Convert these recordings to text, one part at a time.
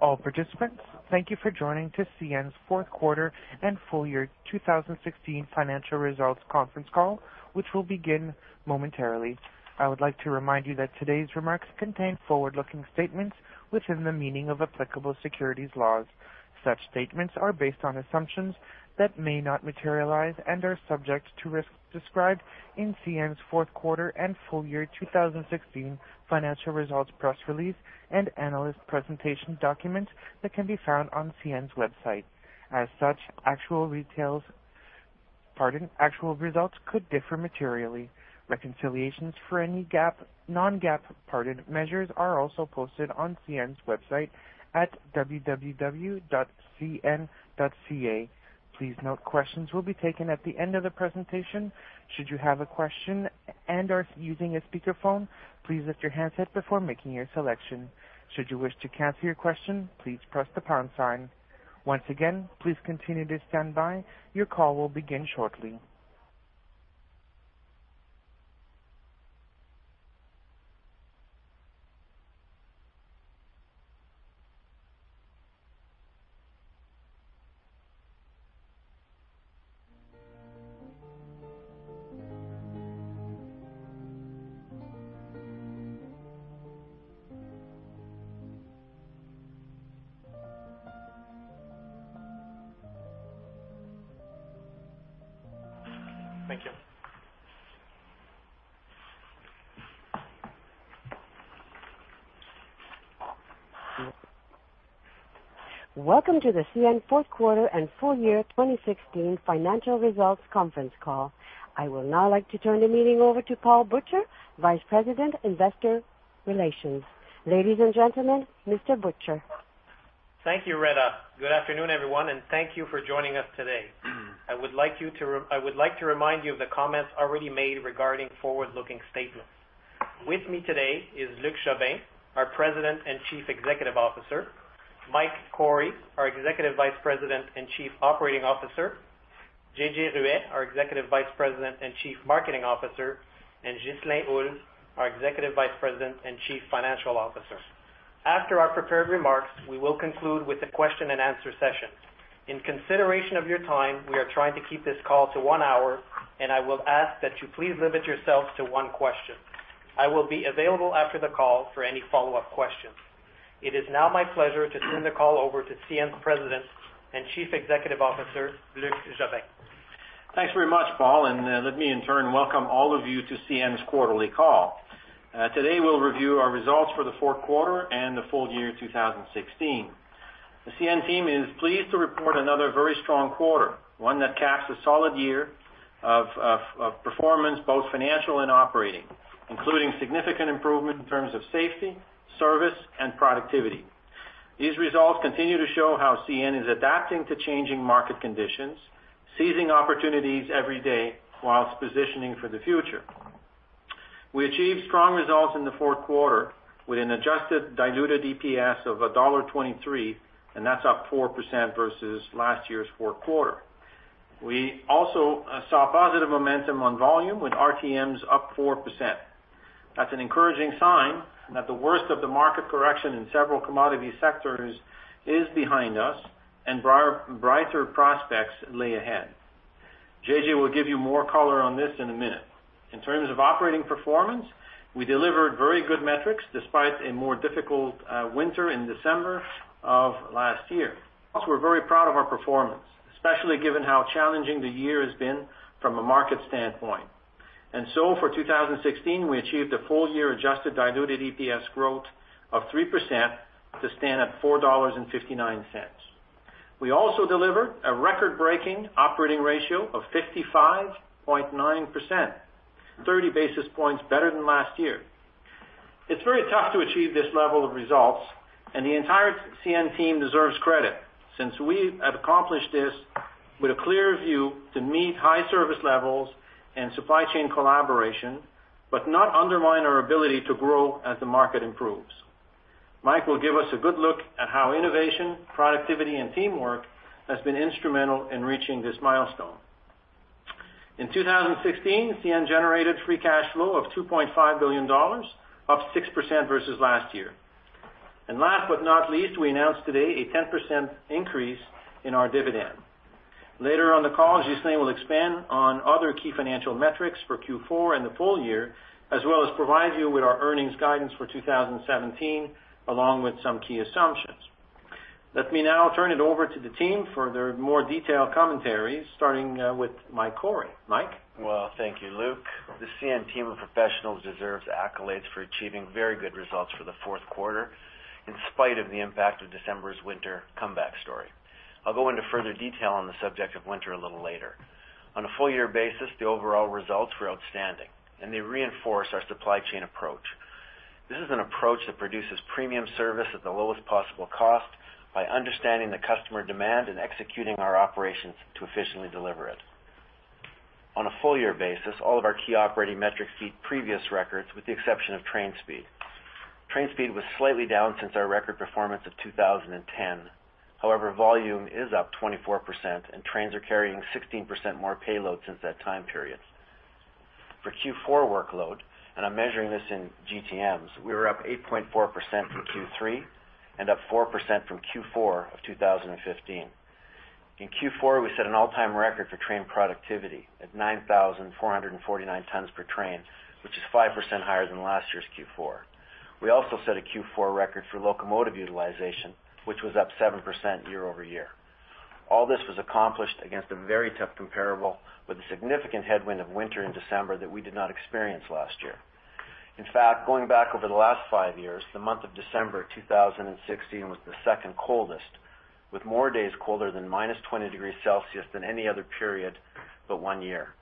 All participants, thank you for joining to CN's Q4 and Full Year 2016 Financial Results Conference Call, which will begin momentarily. I would like to remind you that today's remarks contain forward-looking statements within the meaning of applicable securities laws. Such statements are based on assumptions that may not materialize and are subject to risks described in CN's Q4 and full year 2016 financial results, press release and analyst presentation documents that can be found on CN's website. As such, actual results, pardon. Actual results could differ materially. Reconciliations for any GAAP, non-GAAP, pardon, measures are also posted on CN's website at www.cn.ca. Please note questions will be taken at the end of the presentation. Should you have a question and are using a speakerphone, please lift your handset before making your selection. Should you wish to cancel your question, please press the pound sign. Once again, please continue to stand by. Your call will begin shortly. Thank you. Welcome to the CN Q4 and full year 2016 financial results conference call. I would now like to turn the meeting over to Paul Butcher, Vice President, Investor Relations. Ladies and gentlemen, Mr. Butcher. Thank you, Lorettt. Good afternoon, everyone, and thank you for joining us today. I would like to remind you of the comments already made regarding forward-looking statements. With me today is Luc Jobin, our President and Chief Executive Officer. Mike Cory, our Executive Vice President and Chief Operating Officer. JJ Ruest, our Executive Vice President and Chief Marketing Officer, and Ghislain Houle, our Executive Vice President and Chief Financial Officer. After our prepared remarks, we will conclude with a question and answer session. In consideration of your time, we are trying to keep this call to one hour, and I will ask that you please limit yourselves to one question. I will be available after the call for any follow-up questions. It is now my pleasure to turn the call over to CN's President and Chief Executive Officer, Luc Jobin. Thanks very much, Paul, and let me in turn welcome all of you to CN's quarterly call. Today, we'll review our results for the Q4 and the full year 2016. The CN team is pleased to report another very strong quarter, one that caps a solid year of performance, both financial and operating, including significant improvement in terms of safety, service, and productivity. These results continue to show how CN is adapting to changing market conditions, seizing opportunities every day whilst positioning for the future. We achieved strong results in the Q4 with an Adjusted Diluted EPS of dollar 1.23, and that's up 4% versus last year's Q4. We also saw positive momentum on volume with RTMs up 4%. That's an encouraging sign that the worst of the market correction in several commodity sectors is behind us and brighter prospects lay ahead. JJ will give you more color on this in a minute. In terms of operating performance, we delivered very good metrics despite a more difficult winter in December of last year. Also, we're very proud of our performance, especially given how challenging the year has been from a market standpoint. For 2016, we achieved a full year adjusted diluted EPS growth of 3% to stand at 4.59 dollars. We also delivered a record-breaking operating ratio of 55.9%, 30 basis points better than last year. It's very tough to achieve this level of results, and the entire CN team deserves credit since we have accomplished this with a clear view to meet high service levels and supply chain collaboration, but not undermine our ability to grow as the market improves. Mike will give us a good look at how innovation, productivity, and teamwork has been instrumental in reaching this milestone. In 2016, CN generated free cash flow of 2.5 billion dollars, up 6% versus last year. Last but not least, we announced today a 10% increase in our dividend. Later on the call, Ghislain will expand on other key financial metrics for Q4 and the full year, as well as provide you with our earnings guidance for 2017, along with some key assumptions. Let me now turn it over to the team for their more detailed commentaries, starting with Mike Cory. Mike? Well, thank you, Luc. The CN team of professionals deserves accolades for achieving very good results for the Q4, in spite of the impact of December's winter comeback story. I'll go into further detail on the subject of winter a little later. On a full year basis, the overall results were outstanding, and they reinforce our supply chain approach. This is an approach that produces premium service at the lowest possible cost by understanding the customer demand and executing our operations to efficiently deliver it. On a full year basis, all of our key operating metrics beat previous records, with the exception of train speed. Train speed was slightly down since our record performance of 2010. However, volume is up 24%, and trains are carrying 16% more payload since that time period. For Q4 workload, and I'm measuring this in GTMs, we were up 8.4% from Q3 and up 4% from Q4 of 2015. In Q4, we set an all-time record for train productivity at 9,449 tons per train, which is 5% higher than last year's Q4. We also set a Q4 record for locomotive utilization, which was up 7% year over year. All this was accomplished against a very tough comparable, with a significant headwind of winter in December that we did not experience last year. In fact, going back over the last five years, the month of December 2016 was the second coldest, with more days colder than -20 degrees Celsius than any other period but one year.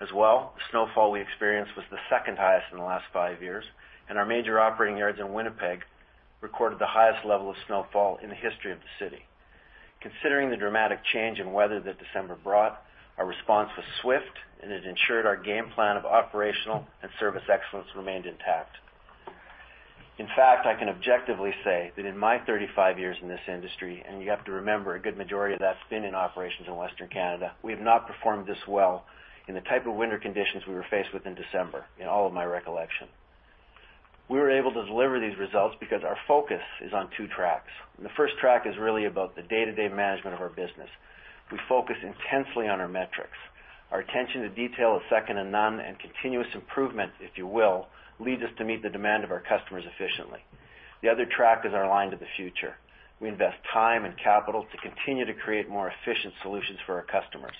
As well, the snowfall we experienced was the second highest in the last five years, and our major operating yards in Winnipeg recorded the highest level of snowfall in the history of the city. Considering the dramatic change in weather that December brought, our response was swift, and it ensured our game plan of operational and service excellence remained intact. In fact, I can objectively say that in my 35 years in this industry, and you have to remember, a good majority of that's been in operations in Western Canada, we have not performed this well in the type of winter conditions we were faced with in December, in all of my recollection. We were able to deliver these results because our focus is on two tracks, and the first track is really about the day-to-day management of our business. We focus intensely on our metrics. Our attention to detail is second to none, and continuous improvement, if you will, leads us to meet the demand of our customers efficiently. The other track is our line to the future. We invest time and capital to continue to create more efficient solutions for our customers.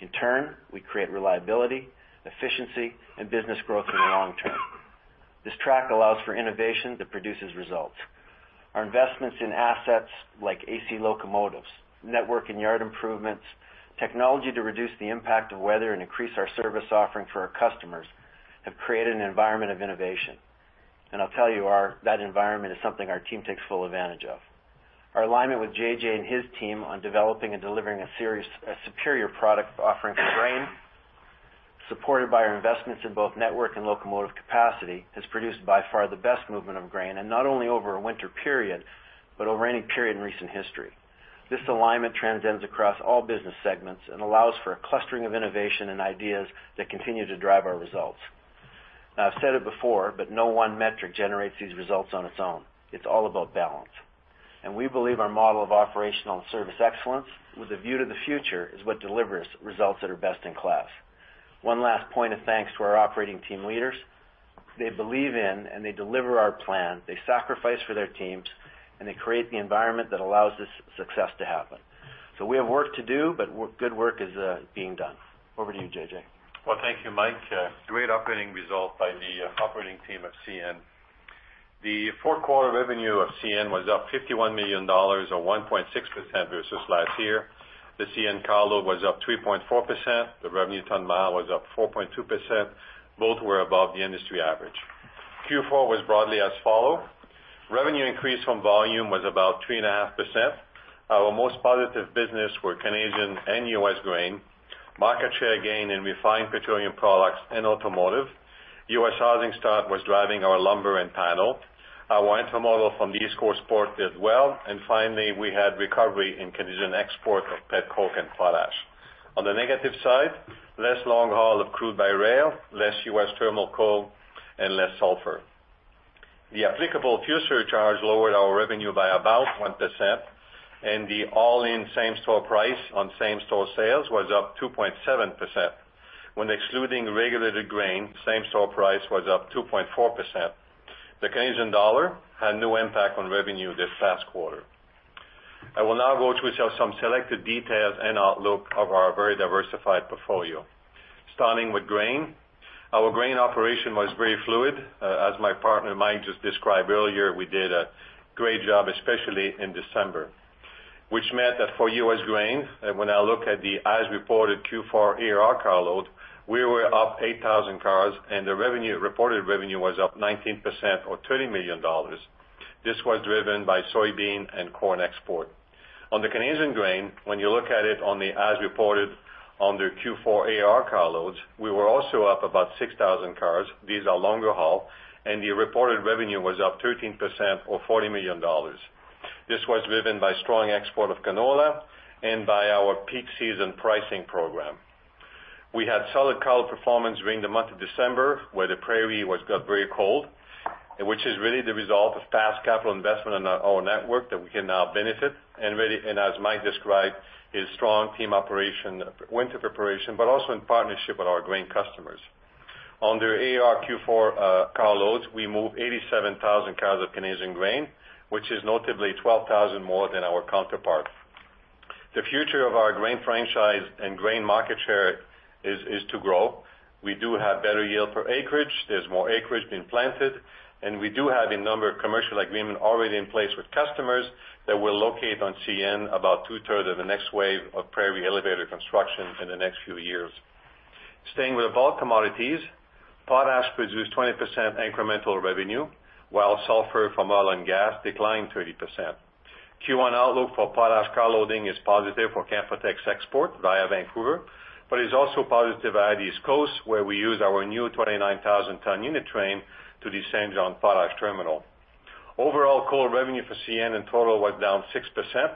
In turn, we create reliability, efficiency, and business growth in the long term. This track allows for innovation that produces results. Our investments in assets like AC locomotives, network and yard improvements, technology to reduce the impact of weather and increase our service offering for our customers, have created an environment of innovation. I'll tell you, our that environment is something our team takes full advantage of. Our alignment with JJ and his team on developing and delivering a superior product offering for grain, supported by our investments in both network and locomotive capacity, has produced by far the best movement of grain, and not only over a winter period, but over any period in recent history. This alignment transcends across all business segments and allows for a clustering of innovation and ideas that continue to drive our results. Now, I've said it before, but no one metric generates these results on its own. It's all about balance. We believe our model of operational and service excellence, with a view to the future, is what delivers results that are best in class. One last point of thanks to our operating team leaders. They believe in and they deliver our plan, they sacrifice for their teams, and they create the environment that allows this success to happen. We have work to do, but good work is being done. Over to you, JJ. Well, thank you, Mike. Great operating result by the operating team of CN. The Q4 revenue of CN was up 51 million dollars, or 1.6% versus last year. The CN carload was up 3.4%. The revenue ton mile was up 4.2%. Both were above the industry average. Q4 was broadly as follows: revenue increase from volume was about 3.5%. Our most positive business were Canadian and U.S. grain, market share gain in refined petroleum products and automotive. U.S. housing start was driving our lumber and panel. Our intermodal from the East Coast port did well, and finally, we had recovery in Canadian export of petcoke and potash. On the negative side, less long haul of crude by rail, less U.S. thermal coal, and less sulfur. The applicable fuel surcharge lowered our revenue by about 1%, and the all-in same-store price on same-store sales was up 2.7%. When excluding regulated grain, same-store price was up 2.4%. The Canadian dollar had no impact on revenue this past quarter. I will now go through some selected details and outlook of our very diversified portfolio. Starting with grain. Our grain operation was very fluid. As my partner, Mike, just described earlier, we did a great job, especially in December, which meant that for U.S. grain, when I look at the as-reported Q4 our carload, we were up 8,000 cars, and the revenue, reported revenue was up 19% or 30 million dollars. This was driven by soybean and corn export. On the Canadian grain, when you look at it on the as reported under Q4 our carloads, we were also up about 6,000 cars. These are longer haul, and the reported revenue was up 13% or 40 million dollars. This was driven by strong export of canola and by our peak season pricing program. We had solid carload performance during the month of December, where the prairie was, got very cold, which is really the result of past capital investment in our, our network that we can now benefit, and really, and as Mike described, his strong team operation, winter preparation, but also in partnership with our grain customers. On the ARQ4, carloads, we moved 87,000 cars of Canadian grain, which is notably 12,000 more than our counterpart. The future of our grain franchise and grain market share is, is to grow. We do have better yield per acreage. There's more acreage being planted, and we do have a number of commercial agreements already in place with customers that will locate on CN about two-thirds of the next wave of prairie elevator construction in the next few years. Staying with bulk commodities, potash produced 20% incremental revenue, while sulfur from oil and gas declined 30%. Q1 outlook for potash car loading is positive for Canpotex export via Vancouver, but is also positive at East Coast, where we use our new 29,000-ton unit train to the Saint John Potash Terminal. Overall, core revenue for CN in total was down 6%.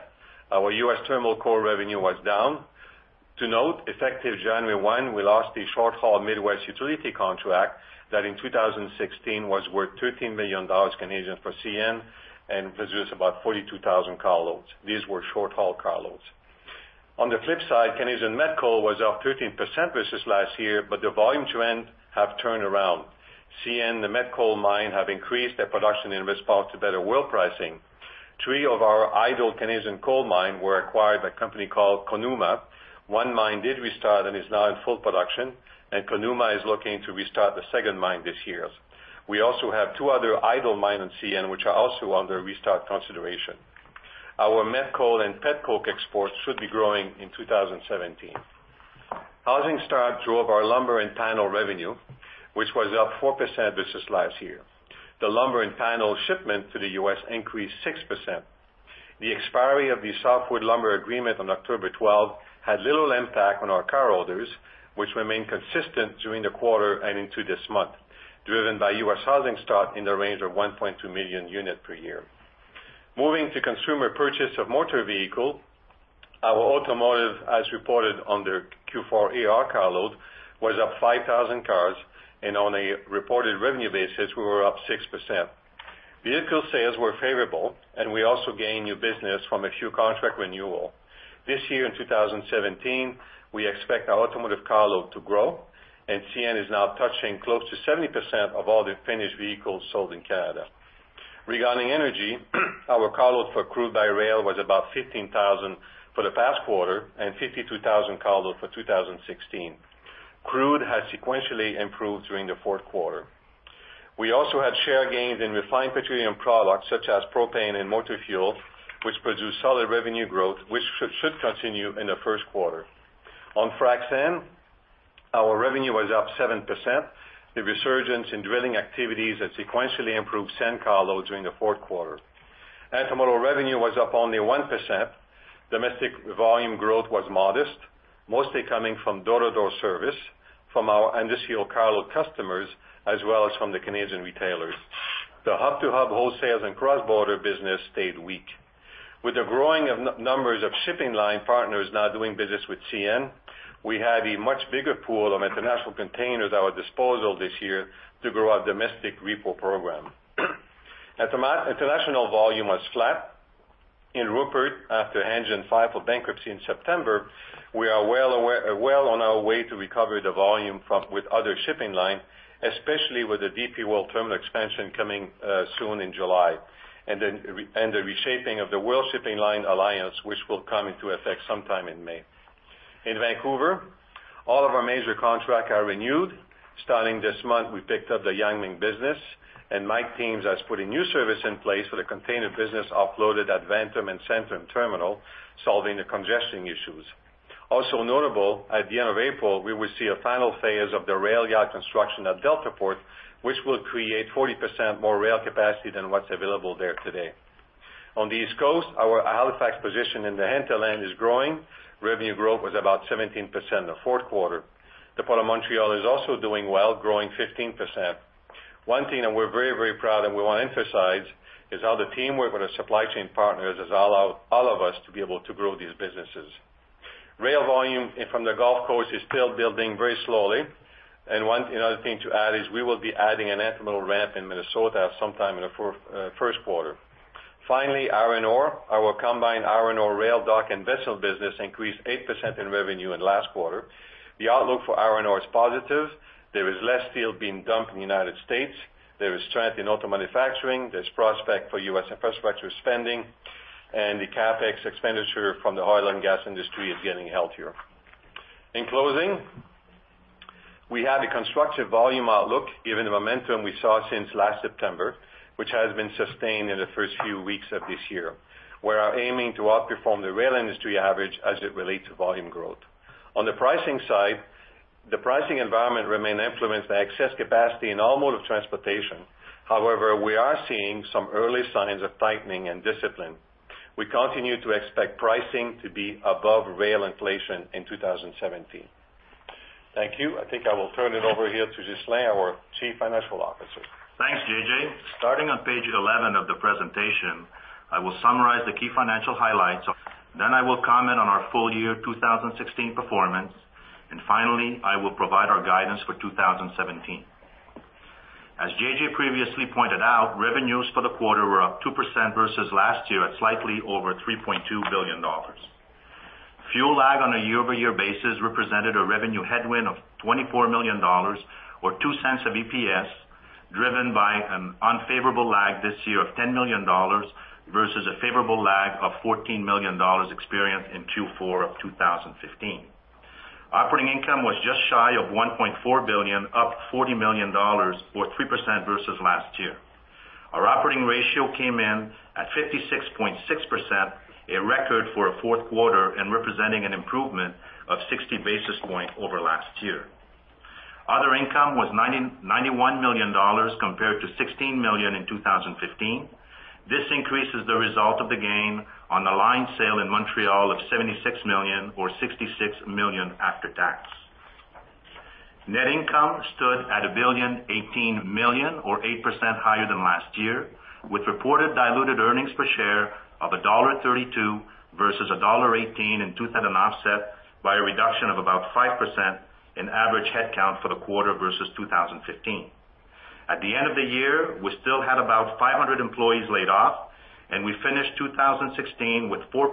Our U.S. terminal core revenue was down. To note, effective January 1, we lost the short-haul Midwest utility contract that in 2016 was worth 13 million Canadian dollars for CN, and this is about 42,000 carloads. These were short-haul carloads. On the flip side, Canadian met coal was up 13% versus last year, but the volume trend have turned around. CN, the met coal mine, have increased their production in response to better world pricing. Three of our idle Canadian coal mine were acquired by a company called Conuma. One mine did restart and is now in full production, and Conuma is looking to restart the second mine this year. We also have two other idle mine in CN, which are also under restart consideration. Our met coal and petcoke exports should be growing in 2017. Housing starts drove our lumber and panel revenue, which was up 4% versus last year. The lumber and panel shipments to the U.S. increased 6%. The expiry of the Softwood Lumber Agreement on October 12 had little impact on our carloads, which remained consistent during the quarter and into this month, driven by U.S. housing starts in the range of 1.2 million units per year. Moving to consumer purchases of motor vehicles, our automotive, as reported under Q4 our carloads, was up 5,000 cars, and on a reported revenue basis, we were up 6%. Vehicle sales were favorable, and we also gained new business from a few contract renewals. This year, in 2017, we expect our automotive carloads to grow, and CN is now touching close to 70% of all the finished vehicles sold in Canada. Regarding energy, our carload for crude by rail was about 15,000 for the past quarter and 52,000 carload for 2016. Crude has sequentially improved during the Q4. We also had share gains in refined petroleum products, such as propane and motor fuel, which produced solid revenue growth, which should continue in the Q1. On frac sand, our revenue was up 7%. The resurgence in drilling activities has sequentially improved sand carload during the Q4. Intermodal revenue was up only 1%. Domestic volume growth was modest, mostly coming from door-to-door service, from our industrial carload customers, as well as from the Canadian retailers. The hub-to-hub wholesales and cross-border business stayed weak. With the growing numbers of shipping line partners now doing business with CN, we had a much bigger pool of international containers at our disposal this year to grow our domestic repo program. International volume was flat. In Rupert, after Hanjin filed for bankruptcy in September, we are well on our way to recover the volume from with other shipping lines, especially with the DP World Terminal expansion coming soon in July, and the reshaping of the World Shipping Line Alliance, which will come into effect sometime in May. In Vancouver, all of our major contracts are renewed. Starting this month, we picked up the Yang Ming business, and Mike's team has put a new service in place for the container business offloaded at Vanterm and Centerm Terminal, solving the congestion issues. Also notable, at the end of April, we will see a final phase of the rail yard construction at Deltaport, which will create 40% more rail capacity than what's available there today. On the East Coast, our Halifax position in the hinterland is growing. Revenue growth was about 17% in the Q4. The Port of Montreal is also doing well, growing 15%. One thing that we're very, very proud and we want to emphasize, is how the teamwork with our supply chain partners has allowed all of us to be able to grow these businesses. Rail volume in, from the Gulf Coast is still building very slowly. And one, another thing to add is we will be adding an intermodal ramp in Minnesota sometime in the Q4. Finally, iron ore. Our combined iron ore rail, dock, and vessel business increased 8% in revenue in last quarter. The outlook for iron ore is positive. There is less steel being dumped in the United States. There is strength in auto manufacturing. There's prospect for U.S. infrastructure spending, and the CapEx expenditure from the oil and gas industry is getting healthier. In closing, we have a constructive volume outlook, given the momentum we saw since last September, which has been sustained in the first few weeks of this year. We are aiming to outperform the rail industry average as it relates to volume growth. On the pricing side, the pricing environment remain influenced by excess capacity in all mode of transportation. However, we are seeing some early signs of tightening and discipline. We continue to expect pricing to be above rail inflation in 2017. Thank you. I think I will turn it over here to Ghislain, our Chief Financial Officer. Thanks, JJ. Starting on page 11 of the presentation, I will summarize the key financial highlights. Then I will comment on our full year 2016 performance. Finally, I will provide our guidance for 2017. As JJ previously pointed out, revenues for the quarter were up 2% versus last year at slightly over $3.2 billion. Fuel lag on a year-over-year basis represented a revenue headwind of $24 million or $0.02 of EPS, driven by an unfavorable lag this year of $10 million versus a favorable lag of $14 million experienced in Q4 of 2015. Operating income was just shy of $1.4 billion, up $40 million or 3% versus last year. Our operating ratio came in at 56.6%, a record for a Q4 and representing an improvement of 60 basis points over last year. Other income was 91 million dollars compared to 16 million in 2015. This increase is the result of the gain on the line sale in Montreal of CAD 76 million or 66 million after tax. Net income stood at 1.018 billion or 8% higher than last year, with reported diluted earnings per share of $1.32 versus $1.18 in 2015 and offset by a reduction of about 5% in average headcount for the quarter versus 2015. At the end of the year, we still had about 500 employees laid off, and we finished 2016 with 4%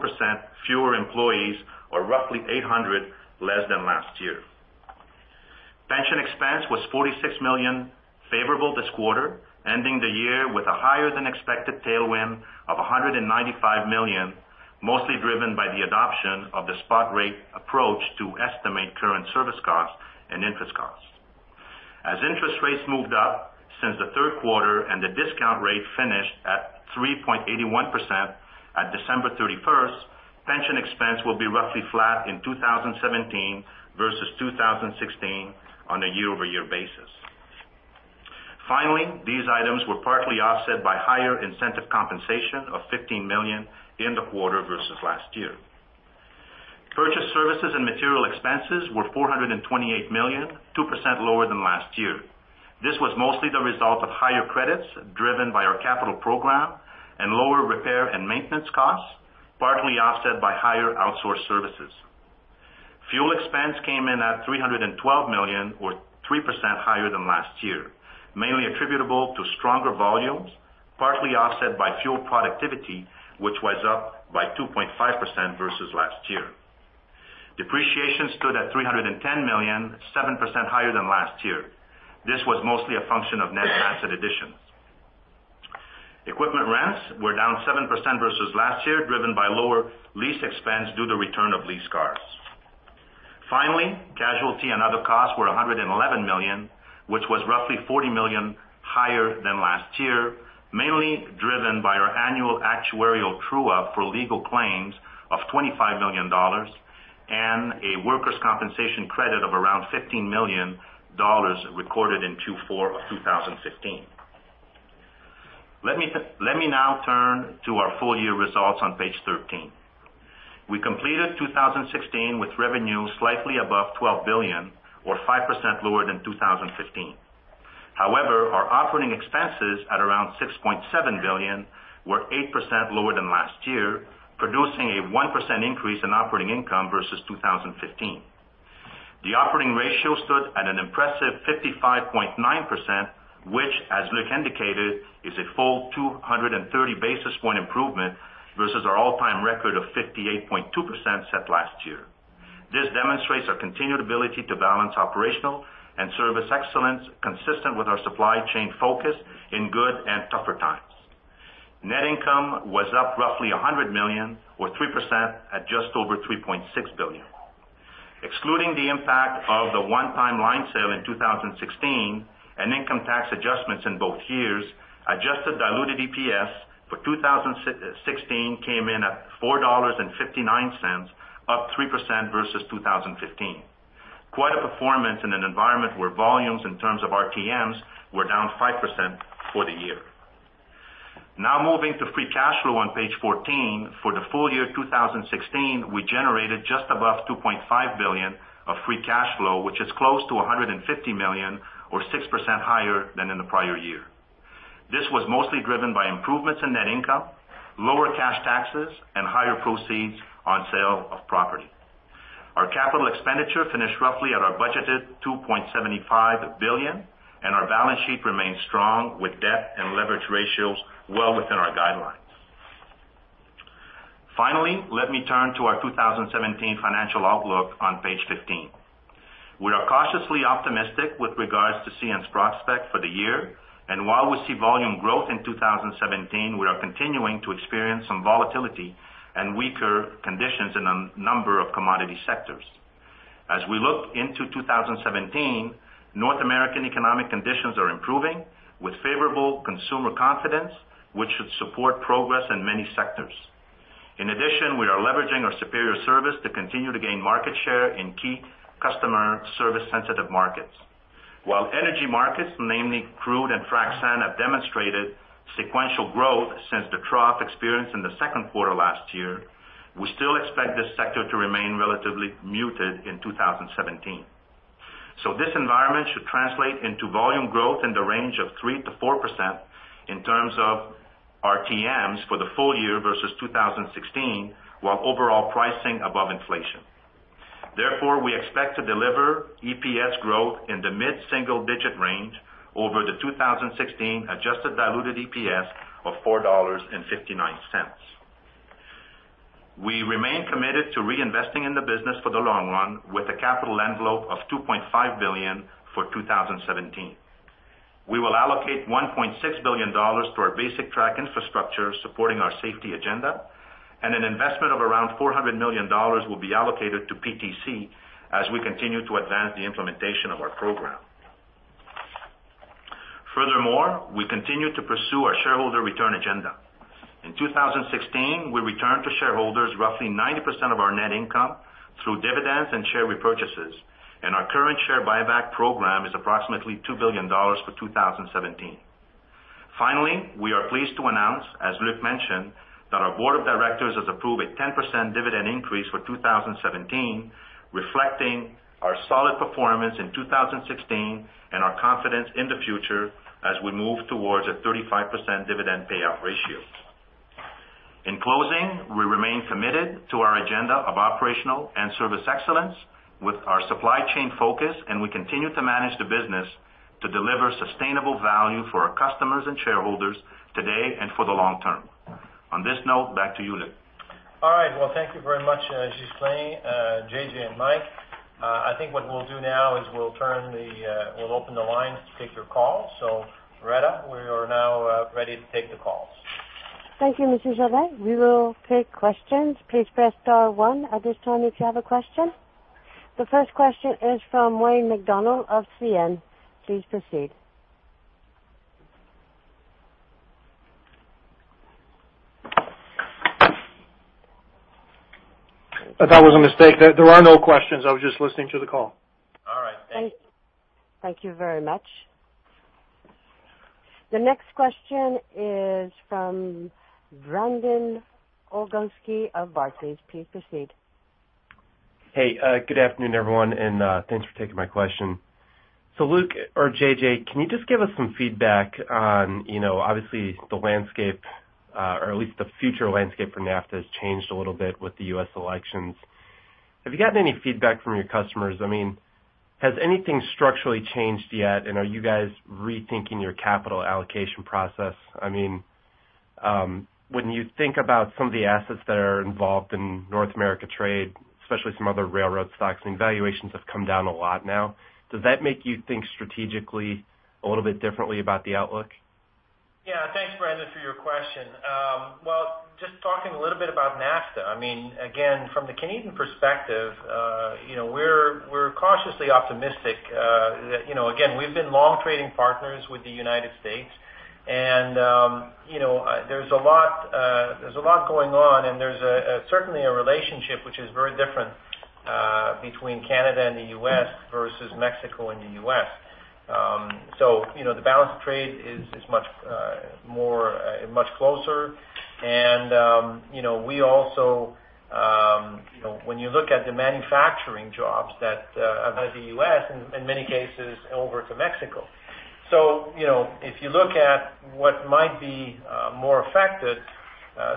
fewer employees or roughly 800 less than last year. Pension expense was 46 million favorable this quarter, ending the year with a higher than expected tailwind of 195 million, mostly driven by the adoption of the spot rate approach to estimate current service costs and interest costs. As interest rates moved up since the Q3 and the discount rate finished at 3.81% at December thirty-first, pension expense will be roughly flat in 2017 versus 2016 on a year-over-year basis. Finally, these items were partly offset by higher incentive compensation of 15 million in the quarter versus last year. Purchase services and material expenses were 428 million, 2% lower than last year. This was mostly the result of higher credits driven by our capital program and lower repair and maintenance costs, partly offset by higher outsourced services. Fuel expense came in at 312 million, or 3% higher than last year, mainly attributable to stronger volumes, partly offset by fuel productivity, which was up by 2.5% versus last year. Depreciation stood at 310 million, 7% higher than last year. This was mostly a function of net asset additions. Equipment rents were down 7% versus last year, driven by lower lease expense due to return of lease cars. Finally, casualty and other costs were 111 million, which was roughly 40 million higher than last year, mainly driven by our annual actuarial true up for legal claims of 25 million dollars and a workers' compensation credit of around 15 million dollars recorded in Q4 of 2015. Let me, let me now turn to our full year results on page 13. We completed 2016 with revenue slightly above 12 billion or 5% lower than 2015. However, our operating expenses at around 6.7 billion were 8% lower than last year, producing a 1% increase in operating income versus 2015. The operating ratio stood at an impressive 55.9%, which, as Luc indicated, is a full 230 basis point improvement versus our all-time record of 58.2% set last year. This demonstrates our continued ability to balance operational and service excellence consistent with our supply chain focus in good and tougher times. Net income was up roughly 100 million, or 3% at just over 3.6 billion. Excluding the impact of the one-time line sale in 2016 and income tax adjustments in both years, adjusted diluted EPS for 2016 came in at CAD 4.59, up 3% versus 2015. Quite a performance in an environment where volumes in terms of RTMs were down 5% for the year. Now moving to free cash flow on page 14. For the full year 2016, we generated just above 2.5 billion of free cash flow, which is close to 150 million or 6% higher than in the prior year. This was mostly driven by improvements in net income, lower cash taxes, and higher proceeds on sale of property. Our capital expenditure finished roughly at our budgeted 2.75 billion, and our balance sheet remains strong, with debt and leverage ratios well within our guidelines. Finally, let me turn to our 2017 financial outlook on page 15. We are cautiously optimistic with regards to CN's prospect for the year, and while we see volume growth in 2017, we are continuing to experience some volatility and weaker conditions in a number of commodity sectors. As we look into 2017, North American economic conditions are improving, with favorable consumer confidence, which should support progress in many sectors. In addition, we are leveraging our superior service to continue to gain market share in key customer service sensitive markets. While energy markets, namely crude and frac sand, have demonstrated sequential growth since the trough experienced in the Q2 last year, we still expect this sector to remain relatively muted in 2017. So this environment should translate into volume growth in the range of 3%-4% in terms of RTMs for the full year versus 2016, while overall pricing above inflation. Therefore, we expect to deliver EPS growth in the mid-single-digit range over the 2016 adjusted diluted EPS of $4.59. We remain committed to reinvesting in the business for the long run with a capital envelope of 2.5 billion for 2017. We will allocate 1.6 billion dollars to our basic track infrastructure, supporting our safety agenda, and an investment of around 400 million dollars will be allocated to PTC as we continue to advance the implementation of our program. Furthermore, we continue to pursue our shareholder return agenda. In 2016, we returned to shareholders roughly 90% of our net income through dividends and share repurchases, and our current share buyback program is approximately 2 billion dollars for 2017. Finally, we are pleased to announce, as Luc mentioned, that our board of directors has approved a 10% dividend increase for 2017, reflecting our solid performance in 2016, and our confidence in the future as we move towards a 35% dividend payout ratio. In closing, we remain committed to our agenda of operational and service excellence with our supply chain focus, and we continue to manage the business to deliver sustainable value for our customers and shareholders today and for the long term. On this note, back to you, Luc. All right, well, thank you very much, Ghislain, JJ, and Mike. I think what we'll do now is we'll open the lines to take your calls. Loreta, we are now ready to take the calls. Thank you, Mr. Jobin. We will take questions. Please press star one at this time if you have a question. The first question is from Wayne MacDonald of CN. Please proceed. That was a mistake. There, there are no questions. I was just listening to the call. All right. Thank you. Thank you very much. The next question is from Brandon Oglosky of Barclays. Please proceed. Hey, good afternoon, everyone, and thanks for taking my question. Luke or JJ, can you just give us some feedback on, you know, obviously, the landscape, or at least the future landscape for NAFTA has changed a little bit with the US elections. Have you gotten any feedback from your customers? I mean, has anything structurally changed yet? And are you guys rethinking your capital allocation process? I mean, when you think about some of the assets that are involved in North America trade, especially some other railroad stocks, I mean, valuations have come down a lot now. Does that make you think strategically a little bit differently about the outlook? Thanks, Brandon, for your question. Well, just talking a little bit about NAFTA. I mean, again, from the Canadian perspective, you know, we're cautiously optimistic, that, you know, again, we've been long trading partners with the United States, and, you know, there's a lot, there's a lot going on, and there's certainly a relationship which is very different, between Canada and the U.S. versus Mexico and the U.S. You know, the balance of trade is much more much closer. You know, we also, you know, when you look at the manufacturing jobs that have left the U.S., in many cases, over to Mexico. You know, if you look at what might be more affected,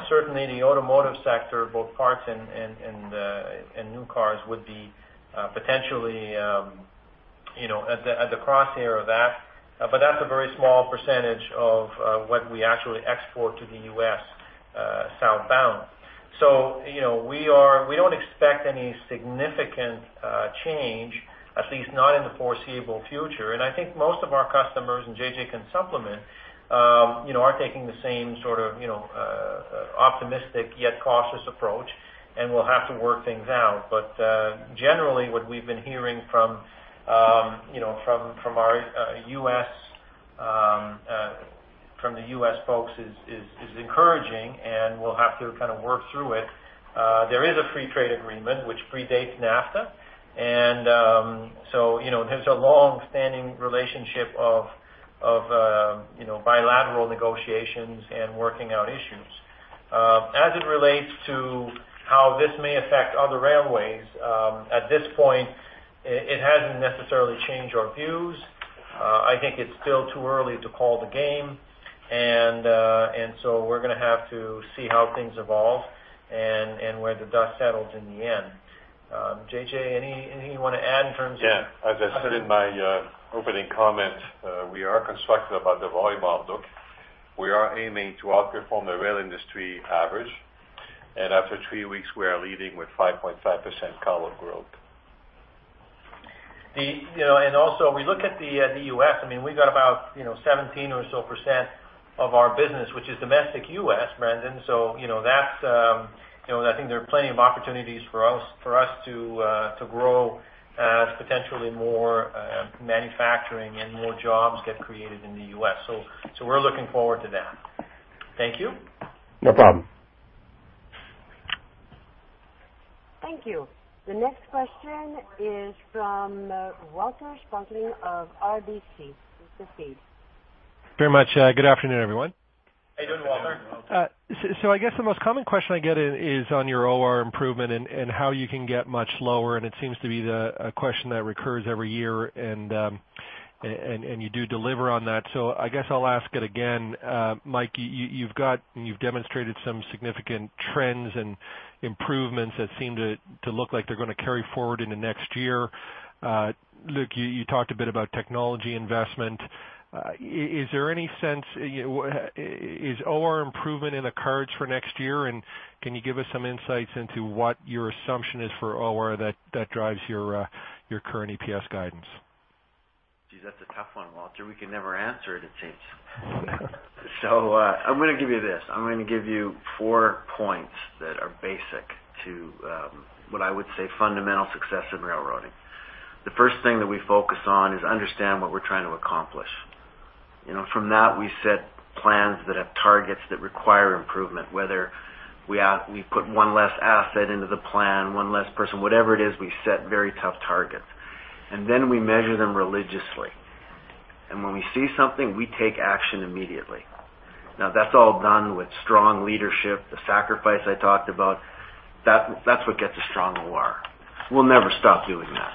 certainly the automotive sector, both parts and new cars would be potentially, you know, at the crosshair of that. But that's a very small percentage of what we actually export to the U.S. southbound. You know, we are. We don't expect any significant change, at least not in the foreseeable future. And I think most of our customers, and JJ can supplement, you know, are taking the same sort of, you know, optimistic yet cautious approach, and we'll have to work things out. But generally, what we've been hearing from you know from our U.S. from the U.S. folks is encouraging, and we'll have to kind of work through it. There is a free trade agreement which predates NAFTA, and so, you know, there's a long-standing relationship of you know, bilateral negotiations and working out issues. As it relates to how this may affect other railways, at this point, it hasn't necessarily changed our views. I think it's still too early to call the game, and so we're gonna have to see how things evolve and where the dust settles in the end. JJ, anything you want to add in terms of- As I said in my opening comment, we are constructive about the volume outlook. We are aiming to outperform the rail industry average, and after three weeks, we are leading with 5.5% cargo growth. You know, and also, we look at the U.S. I mean, we've got about, you know, 17% or so of our business, which is domestic U.S., Brandon. You know, that's, you know, I think there are plenty of opportunities for us to grow as potentially more manufacturing and more jobs get created in the U.S. We're looking forward to that. Thank you. No problem. Thank you. The next question is from Walter Spracklin of RBC. Please proceed. Very much. Good afternoon, everyone. How you doing, Walter? I guess the most common question I get is on your OR improvement and how you can get much lower, and it seems to be a question that recurs every year, and you do deliver on that. I guess I'll ask it again. Mike, you've got and you've demonstrated some significant trends and improvements that seem to look like they're gonna carry forward into next year. Luc, you talked a bit about technology investment. Is there any sense, you know, is OR improvement in the cards for next year? Can you give us some insights into what your assumption is for OR that drives your current EPS guidance? Gee, that's a tough one, Walter. We can never answer it, it seems. I'm gonna give you this. I'm gonna give you four points that are basic to what I would say, fundamental success in railroading. The first thing that we focus on is understand what we're trying to accomplish. You know, from that, we set plans that have targets that require improvement, whether we we put one less asset into the plan, one less person, whatever it is, we set very tough targets. We measure them religiously. And when we see something, we take action immediately. Now, that's all done with strong leadership, the sacrifice I talked about, that, that's what gets a strong OR. We'll never stop doing that.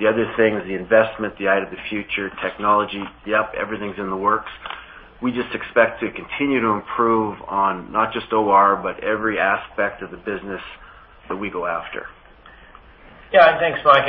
The other thing is the investment, the eye of the future, technology. Yep, everything's in the works. We just expect to continue to improve on not just OR, but every aspect of the business that we go after. Thanks, Mike.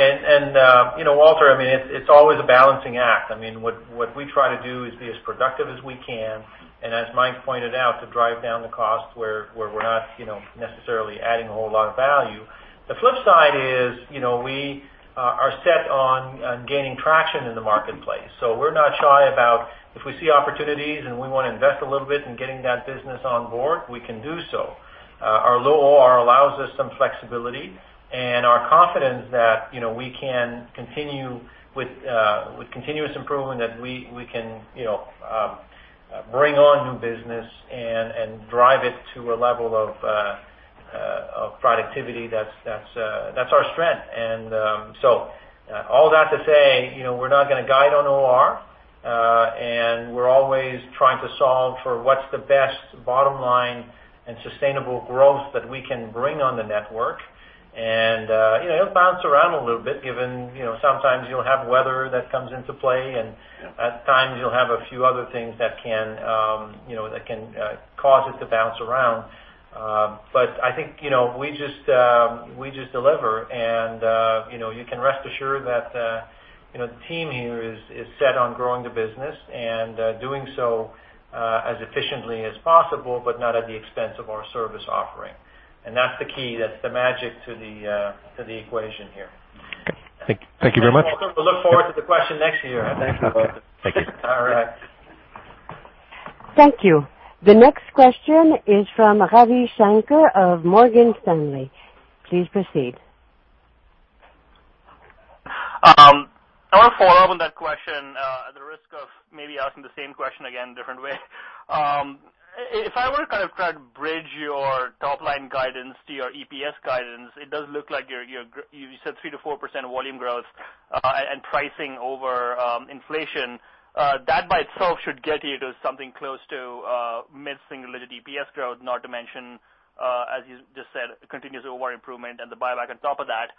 You know, Walter, it's always a balancing act. What we try to do is be as productive as we can, and as Mike pointed out, to drive down the cost where we're not, you know, necessarily adding a whole lot of value. The flip side is, you know, we are set on gaining traction in the marketplace. We're not shy about if we see opportunities and we wanna invest a little bit in getting that business on board, we can do so. Our low OR allows us some flexibility and our confidence that, you know, we can continue with continuous improvement, that we can, you know, bring on new business and drive it to a level of productivity, that's our strength. All that to say, you know, we're not gonna guide on OR, and we're always trying to solve for what's the best bottom line and sustainable growth that we can bring on the network. You know, it'll bounce around a little bit, given, you know, sometimes you'll have weather that comes into play, and at times you'll have a few other things that can, you know, cause it to bounce around. I think, you know, we just deliver, and, you know, you can rest assured that, you know, the team here is set on growing the business and doing so as efficiently as possible, but not at the expense of our service offering. That's the key, that's the magic to the equation here. Okay, thank you very much. We look forward to the question next year. Thanks, okay. Thank you. All right. Thank you. The next question is from Ravi Shanker of Morgan Stanley. Please proceed. I want to follow up on that question at the risk of maybe asking the same question again, different way. If I were to kind of try to bridge your top-line guidance to your EPS guidance, it does look like you said 3% to 4% volume growth, and pricing over inflation. That by itself should get you to something close to mid-single-digit EPS growth, not to mention, as you just said, continuous OR improvement and the buyback on top of that.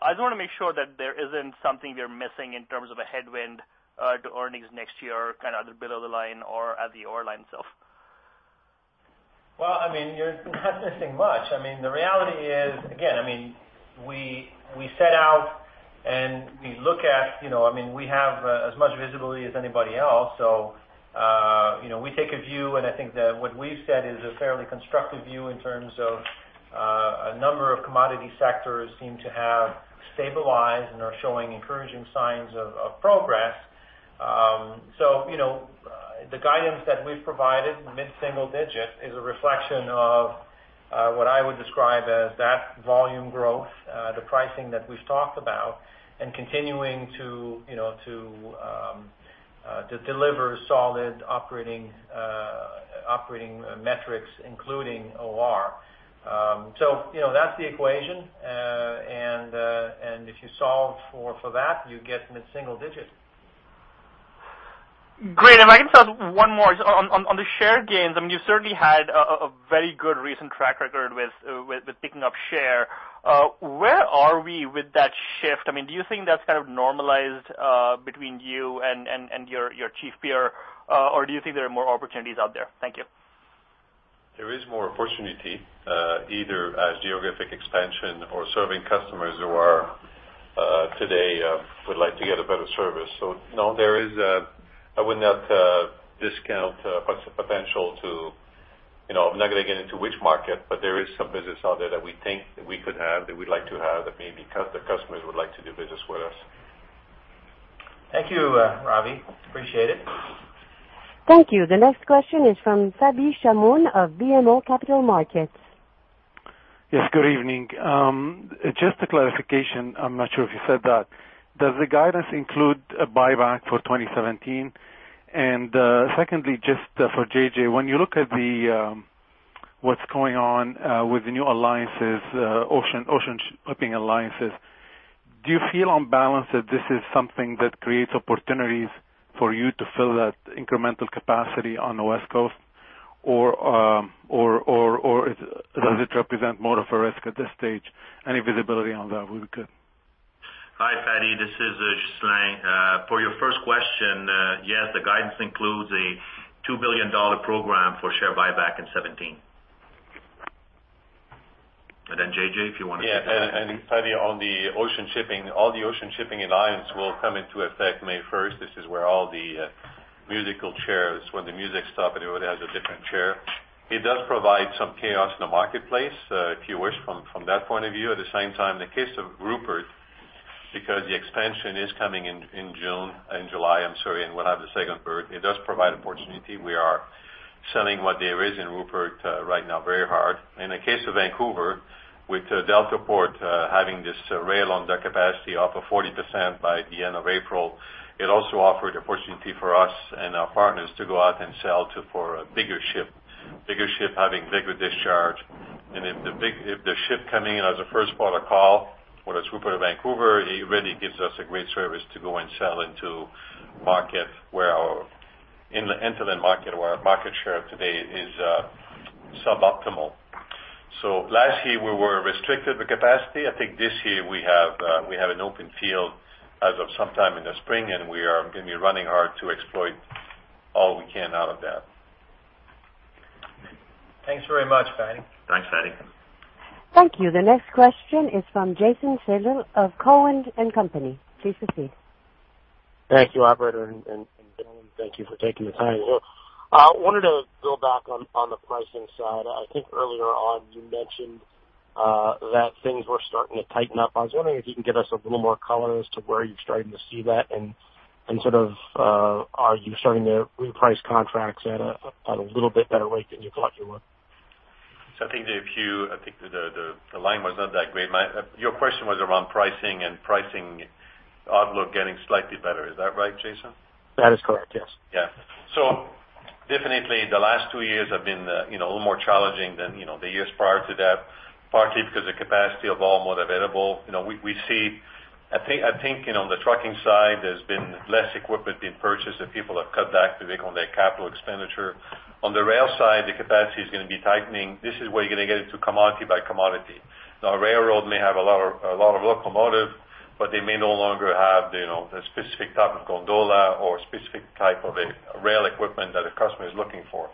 I just wanna make sure that there isn't something we're missing in terms of a headwind to earnings next year, kind of below the line or at the OR line itself. Well, I mean, you're not missing much. I mean, the reality is, again, I mean, we set out and we look at, you know. I mean, we have as much visibility as anybody else. You know, we take a view, and I think that what we've said is a fairly constructive view in terms of a number of commodity sectors seem to have stabilized and are showing encouraging signs of progress. You know, the guidance that we've provided, mid-single digit, is a reflection of what I would describe as that volume growth, the pricing that we've talked about, and continuing to, you know, to deliver solid operating metrics, including OR. You know, that's the equation. If you solve for that, you get mid-single digit. Great. If I can just one more. On the share gains, I mean, you certainly had a very good recent track record with picking up share. Where are we with that shift? Do you think that's kind of normalized between you and your chief peer, or do you think there are more opportunities out there? Thank you. There is more opportunity, either as geographic expansion or serving customers who are, today, would like to get a better service. No, there is a, I would not discount potential to, you know, I'm not gonna get into which market, but there is some business out there that we think that we could have, that we'd like to have, that maybe the customers would like to do business with us. Thank you, Ravi. Appreciate it. Thank you. The next question is from Fadi Chamoun of BMO Capital Markets. Yes, good evening. Just a clarification, I'm not sure if you said that. Does the guidance include a buyback for 2017? And, secondly, just for JJ, when you look at the, what's going on with the new alliances, ocean, ocean shipping alliances, do you feel on balance that this is something that creates opportunities for you to fill that incremental capacity on the West Coast? Or, does it represent more of a risk at this stage? Any visibility on that would be good. Hi, Fadi, this is Sylvain. For your first question, yes, the guidance includes a 2 billion dollar program for share buyback in 2017. And then, JJ, if you want to take that- Fadi, on the ocean shipping, all the ocean shipping alliance will come into effect May first. This is where all the musical chairs, when the music stop, everybody has a different chair. It does provide some chaos in the marketplace, if you wish, from that point of view. At the same time, in the case of Rupert, because the expansion is coming in June, in July, I'm sorry, and will have the second berth, it does provide opportunity. We are selling what there is in Rupert right now, very hard. In the case of Vancouver, with Deltaport having this rail on dock capacity off of 40% by the end of April, it also offered opportunity for us and our partners to go out and sell to for a bigger ship, bigger ship, having bigger discharge. If the big, if the ship coming in as a Q1 call with a group of Vancouver, it really gives us a great service to go and sell into market where our, in, into the market, where our market share today is suboptimal. Last year, we were restricted the capacity. I think this year we have, we have an open field as of sometime in the spring, and we are going to be running hard to exploit all we can out of that. Thanks very much, Fanny. Thanks, Fanny. Thank you. The next question is from Jason Seidl of Cowen and Company. Please proceed. Thank you, operator, and thank you for taking the time. I wanted to build back on the pricing side. I think earlier on, you mentioned that things were starting to tighten up. I was wondering if you can give us a little more color as to where you're starting to see that and sort of are you starting to reprice contracts at a little bit better rate than you thought you were? I thin think the line was not that great. Your question was around pricing and pricing outlook getting slightly better. Is that right, Jason? That is correct, yes. Definitely the last two years have been, you know, a little more challenging than, you know, the years prior to that, partly because the capacity of all mode available. You know, we see, I think, I think, you know, on the trucking side, there's been less equipment being purchased, and people have cut back on their capital expenditure. On the rail side, the capacity is going to be tightening. This is where you're going to get into commodity by commodity. Now, railroad may have a lot of, a lot of locomotive, but they may no longer have, you know, the specific type of gondola or specific type of a rail equipment that a customer is looking for.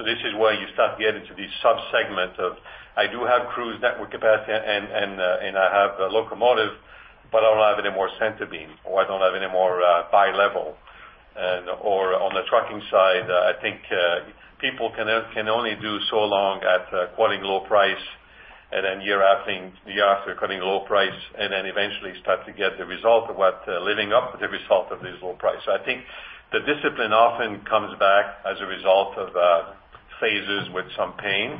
This is where you start to get into these subsegments of, I do have CN network capacity and, and, and I have a locomotive, but I don't have any more centerbeam, or I don't have any more, bi-level. And or on the trucking side, I think, people can only do so long at, quoting low price and then year after year after quoting low price, and then eventually start to get the result of what, living up to the result of this low price. I think the discipline often comes back as a result of, phases with some pain.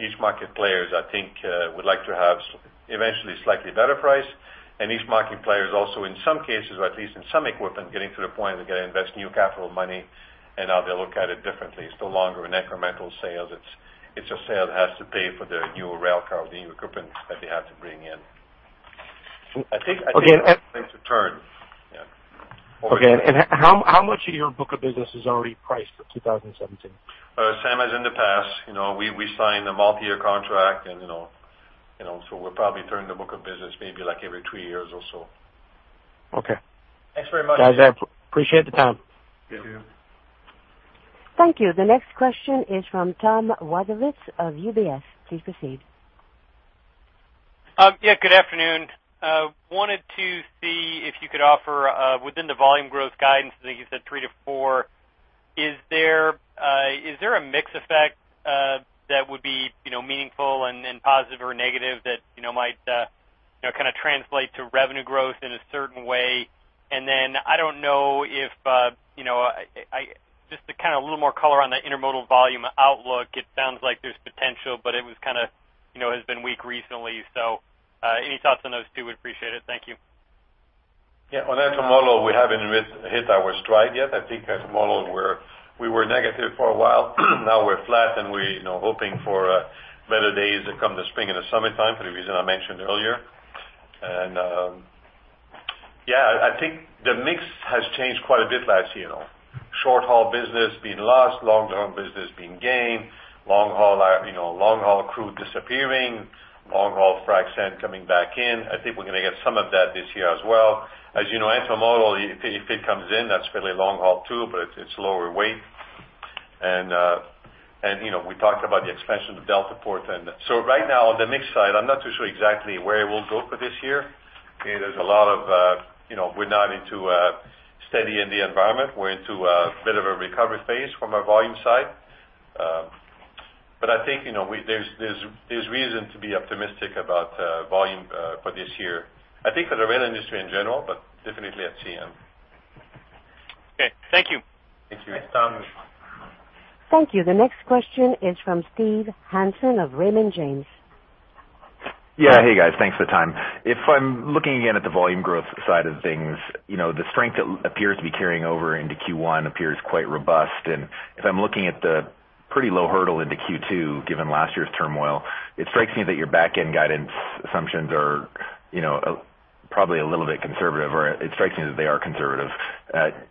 Each market players, I think, would like to have eventually slightly better price. Each market players also, in some cases, or at least in some equipment, getting to the point where they invest new capital money, and now they look at it differently. It's no longer an incremental sale. It's, it's a sale that has to pay for the new rail car, the new equipment that they have to bring in. I think. Again, uh. It's a turn. Yeah. Okay, and how much of your book of business is already priced for 2017? Same as in the past. You know, we signed a multi-year contract and, you know, you know, so we're probably turning the book of business maybe like every three years or so. Okay. Thanks very much. Guys, I appreciate the time. Thank you. Thank you. The next question is from Thomas Wadewitz of UBS. Please proceed. Good afternoon. Wanted to see if you could offer, within the volume growth guidance, I think you said 3 to 4. Is there, is there a mix effect, that would be, you know, meaningful and, and positive or negative that, you know, might, you know, kind of translate to revenue growth in a certain way? I don't know if, you know, just to kind of a little more color on the intermodal volume outlook. It sounds like there's potential, but it was kind of, you know, has been weak recently. So, any thoughts on those two? We'd appreciate it. Thank you. On intermodal, we haven't hit our stride yet. I think intermodal, we're, we were negative for a while. Now we're flat, and we're, you know, hoping for better days to come the spring and the summer time, for the reason I mentioned earlier. I think the mix has changed quite a bit last year, you know. Short haul business being lost, long term business being gained, long haul, you know, long haul crude disappearing, long haul frac sand coming back in. I think we're going to get some of that this year as well. As you know, intermodal, if it, if it comes in, that's fairly long haul, too, but it's, it's lower weight. And, and, you know, we talked about the expansion of the Deltaport. Right now, on the mix side, I'm not too sure exactly where it will go for this year. There's a lot of, you know, we're not into a steady in the environment. We're into a bit of a recovery phase from a volume side. But I think, you know, we, there's reason to be optimistic about volume for this year. I think for the rail industry in general, but definitely at CN. Okay. Thank you. Thank you. Thanks, Tom. Thank you. The next question is from Steve Hansen of Raymond James. Hey, guys, thanks for the time. If I'm looking again at the volume growth side of things, you know, the strength that appears to be carrying over into Q1 appears quite robust. If I'm looking at the pretty low hurdle into Q2, given last year's turmoil, it strikes me that your back end guidance assumptions are, you know, probably a little bit conservative, or it strikes me that they are conservative.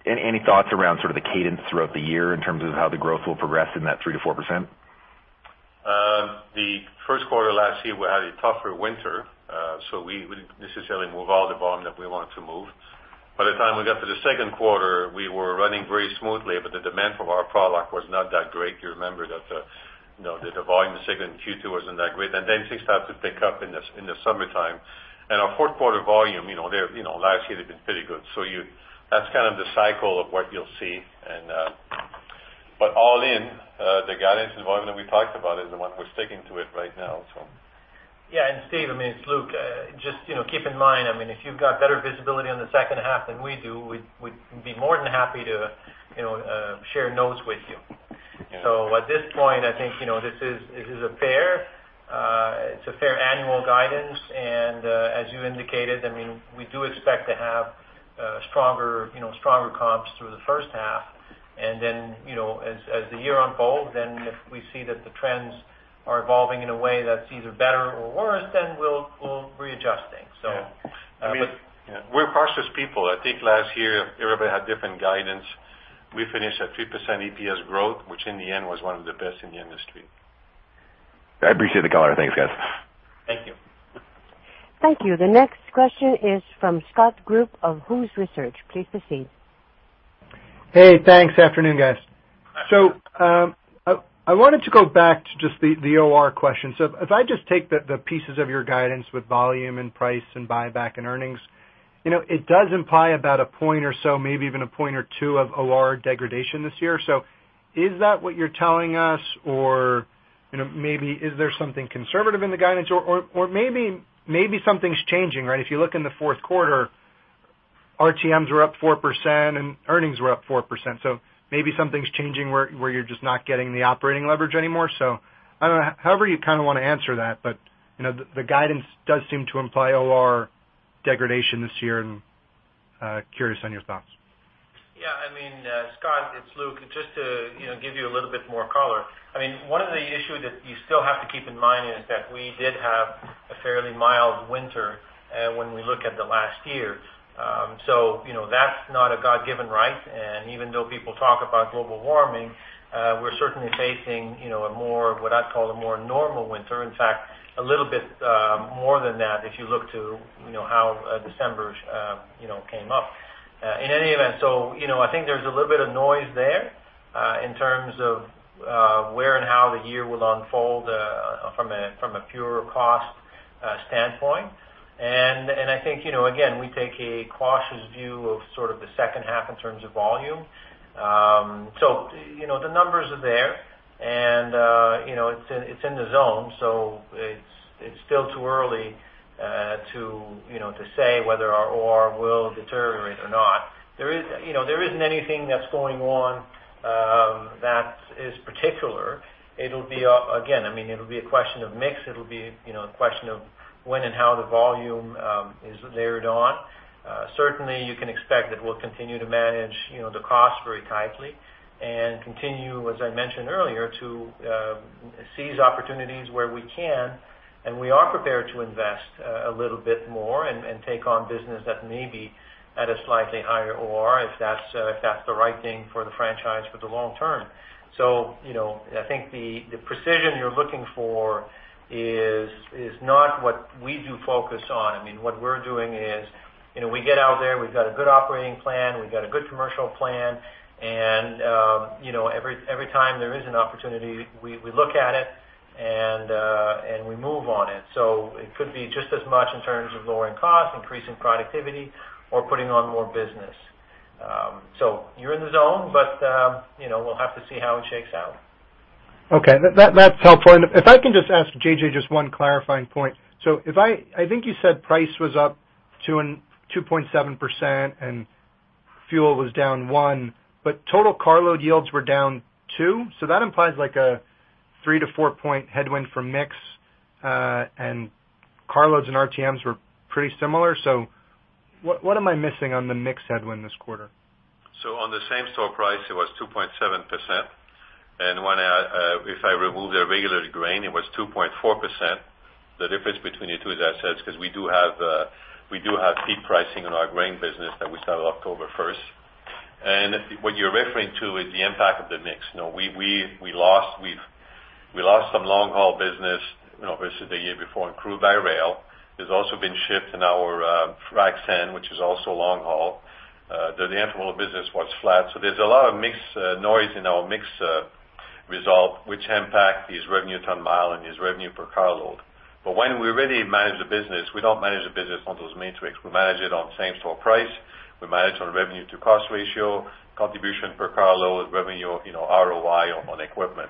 Any thoughts around sort of the cadence throughout the year in terms of how the growth will progress in that 3%-4%? The Q1 last year, we had a tougher winter, so we wouldn't necessarily move all the volume that we wanted to move. By the time we got to the Q2, we were running very smoothly, but the demand for our product was not that great. You remember that, you know, that the volume signal in Q2 wasn't that great, and then things started to pick up in the, in the summertime. Our Q4 volume, you know, there, you know, last year they've been pretty good. That's kind of the cycle of what you'll see and, but all in, the guidance environment we talked about is the one we're sticking to it right now, so. Steve, It's Luke. Just, you know, keep in mind, I mean, if you've got better visibility on the second half than we do, we'd, we'd be more than happy to, you know, share notes with you. It this point, I think, you know, this is, this is a fair- It's a fair annual guidance, and, as you indicated, I mean, we do expect to have stronger, you know, stronger comps through the first half. You know, as the year unfolds, then if we see that the trends are evolving in a way that's either better or worse, then we'll readjust things, so- We're cautious people. I think last year, everybody had different guidance. We finished at 3% EPS growth, which in the end, was one of the best in the industry. I appreciate the color. Thanks, guys. Thank you. Thank you. The next question is from Scott Group of Wolfe Research. Please proceed. Hey, thanks. Afternoon, guys. I wanted to go back to just the OR question. So if I just take the pieces of your guidance with volume and price and buyback and earnings, you know, it does imply about a point or so, maybe even a point or two of OR degradation this year. Is that what you're telling us? Or, you know, maybe is there something conservative in the guidance, or maybe something's changing, right? If you look in the Q4, RTMs were up 4% and earnings were up 4%. Maybe something's changing where you're just not getting the operating leverage anymore. I don't know, however you kind of want to answer that, but, you know, the guidance does seem to imply OR degradation this year, and curious on your thoughts. Scott, it's Luc. Just to, you know, give you a little bit more color. One of the issues that you still have to keep in mind is that we did have a fairly mild winter, when we look at the last year. So you know, that's not a God-given right. Even though people talk about global warming, we're certainly facing, you know, a more, what I'd call a more normal winter. In fact, a little bit, more than that, if you look to, you know, how, December, you know, came up. In any event, so, you know, I think there's a little bit of noise there, in terms of, where and how the year will unfold, from a, from a pure cost, standpoint. I think, you know, again, we take a cautious view of sort of the second half in terms of volume. You know, the numbers are there, and, you know, it's in, it's in the zone, so it's, it's still too early to, you know, to say whether our OR will deteriorate or not. There isn't anything that's going on that is particular. It'll be, again, I mean, it'll be a question of mix. It'll be, you know, a question of when and how the volume is layered on. Certainly, you can expect that we'll continue to manage, you know, the cost very tightly and continue, as I mentioned earlier, to seize opportunities where we can, and we are prepared to invest a little bit more and take on business that may be at a slightly higher OR, if that's the right thing for the franchise for the long term. You know, I think the precision you're looking for is not what we do focus on. I mean, what we're doing is, you know, we get out there, we've got a good operating plan, we've got a good commercial plan, and, you know, every time there is an opportunity, we look at it and we move on it. It could be just as much in terms of lowering costs, increasing productivity, or putting on more business. You're in the zone, but, you know, we'll have to see how it shakes out. Okay, that's helpful. If I can just ask JJ just one clarifying point. I think you said price was up two and 2.7%, and fuel was down 1%, but total carload yields were down 2%? That implies like a 3 to 4 point headwind from mix, and carloads and RTMs were pretty similar. What, what am I missing on the mix headwind this quarter? On the same store price, it was 2.7%. When I, if I remove the regular grain, it was 2.4%. The difference between the two, as I said, is because we do have, we do have peak pricing on our grain business that we started October first. What you're referring to is the impact of the mix. You know, we, we lost, we've-- we lost some long-haul business, you know, versus the year before in crude by rail. There's also been shift in our, frac sand, which is also long haul. The intermodal business was flat, so there's a lot of mix, noise in our mix, result, which impact these revenue ton mile and these revenue per carload. Then we really manage the business, we don't manage the business on those metrics. We manage it on same-store price, we manage on revenue-to-cost ratio, contribution per carload, revenue, you know, ROI on equipment.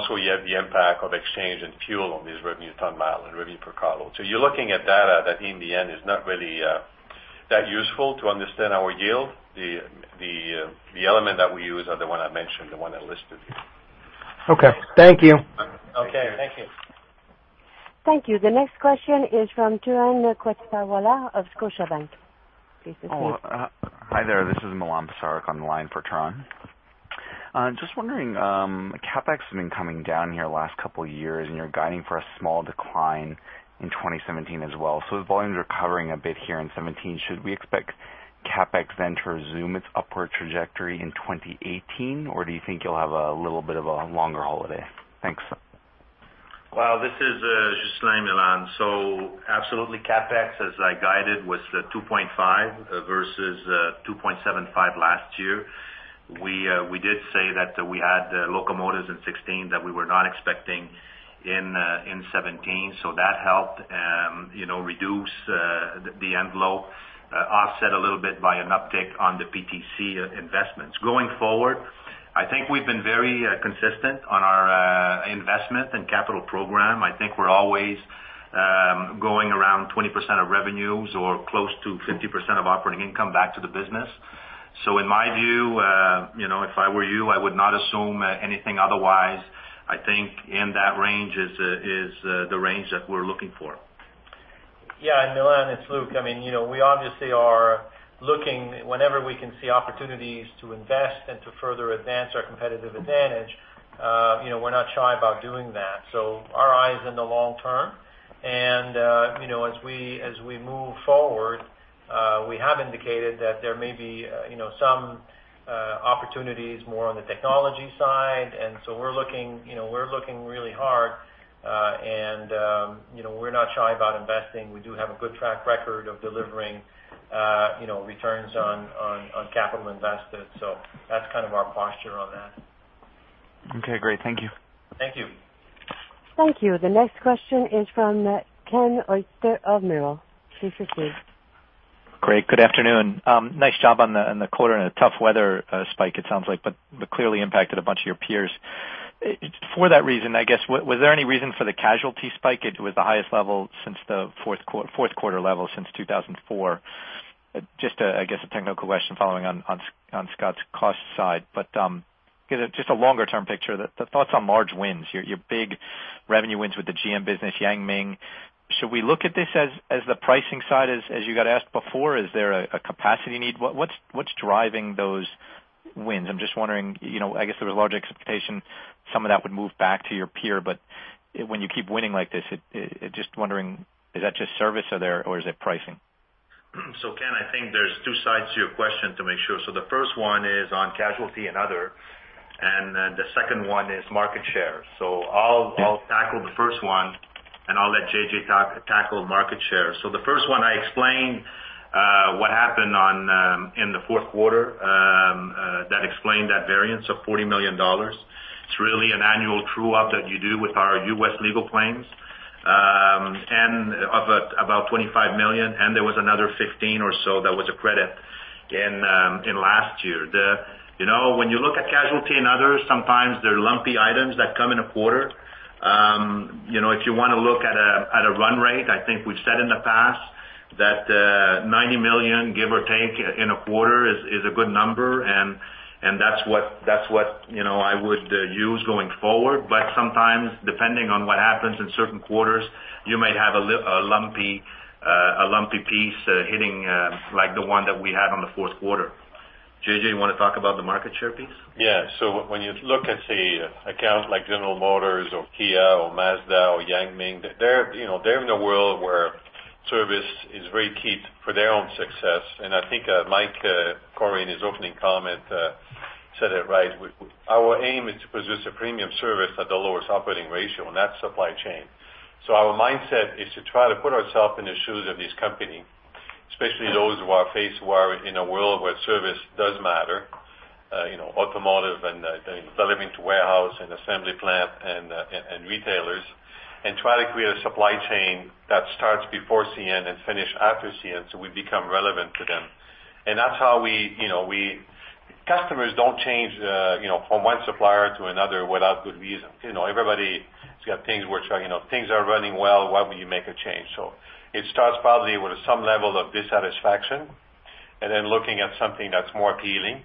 Also, you have the impact of exchange and fuel on these revenue ton-mile and revenue per carload. You're looking at data that, in the end, is not really that useful to understand our yield. The element that we use are the one I mentioned, the one I listed here. Okay, thank you. Okay, thank you. Thank you. The next question is from Turan Quettawala of Scotiabank. Please proceed. Hi there. This is Milan Bezarka on the line for Turan. Just wondering, CapEx has been coming down here the last couple of years, and you're guiding for a small decline in 2017 as well. As volumes are recovering a bit here in 2017, should we expect CapEx then to resume its upward trajectory in 2018? Or do you think you'll have a little bit of a longer holiday? Thanks. Well, this is just Milan. Absolutely, CapEx, as I guided, was 2.5 versus 2.75 last year. We did say that we had locomotives in 2016 that we were not expecting in 2017, that helped, you know, reduce the envelope, offset a little bit by an uptick on the PTC investments. Going forward, I think we've been very consistent on our investment and capital program. I think we're always going around 20% of revenues or close to 50% of operating income back to the business. On my view, you know, if I were you, I would not assume anything otherwise. I think in that range is the range that we're looking for. Milan, it's Luc. I mean, you know, we obviously are looking whenever we can see opportunities to invest and to further advance our competitive advantage, you know, we're not shy about doing that. Our eye is in the long term. You know, as we move forward, we have indicated that there may be, you know, some opportunities more on the technology side. We're looking, you know, we're looking really hard, and, you know, we're not shy about investing. We do have a good track record of delivering, you know, returns on capital invested. So that's kind of our posture on that. Okay, great. Thank you. Thank you. Thank you. The next question is from Ken Hoexter of Merrill. Please proceed. Great, good afternoon. Nice job on the quarter, and a tough weather spike, it sounds like, but that clearly impacted a bunch of your peers. For that reason, I guess, was there any reason for the casualty spike? It was the highest level since the Q4 level since 2004. Just a technical question following on Scott's cost side. But just a longer term picture, the thoughts on large wins, your big revenue wins with the GM business, Yang Ming. Should we look at this as the pricing side, as you got asked before, is there a capacity need? What's driving those wins? I'm just wondering, you know, I guess there was a large expectation some of that would move back to your peer, but when you keep winning like this, it. Just wondering, is that just service or there, or is it pricing? Ken, I think there's two sides to your question to make sure. The first one is on casualty and other, and then the second one is market share. I'll tackle the first one, and I'll let JJ tackle market share. The first one I explained what happened in the Q4 that explained that variance of $40 million. It's really an annual true up that you do with our U.S. legal claims, and of about $25 million, and there was another $15 million or so that was a credit in last year. T You know, when you look at casualty and others, sometimes there are lumpy items that come in a quarter. You know, if you want to look at a run rate, I think we've said in the past that 90 million, give or take, in a quarter is a good number, and that's what, you know, I would use going forward. But sometimes, depending on what happens in certain quarters, you may have a lumpy piece hitting, like the one that we had on the Q4. JJ, you want to talk about the market share piece? When you look at, say, accounts like General Motors or Kia or Mazda or Yang Ming, they're, you know, they're in a world where service is very key for their own success. AndI think, Mike Cory, in his opening comment, said it right. Our aim is to produce a premium service at the lowest operating ratio, and that's supply chain. Our mindset is to try to put ourselves in the shoes of this company, especially those who are faced, who are in a world where service does matter, you know, automotive and delivering to warehouse and assembly plant and, and retailers, and try to create a supply chain that starts before CN and finish after CN, so we become relevant to them. That's how we, you know, customers don't change, you know, from one supplier to another without good reason. You know, everybody's got things worth trying. You know, if things are running well, why would you make a change? It starts probably with some level of dissatisfaction, and then looking at something that's more appealing,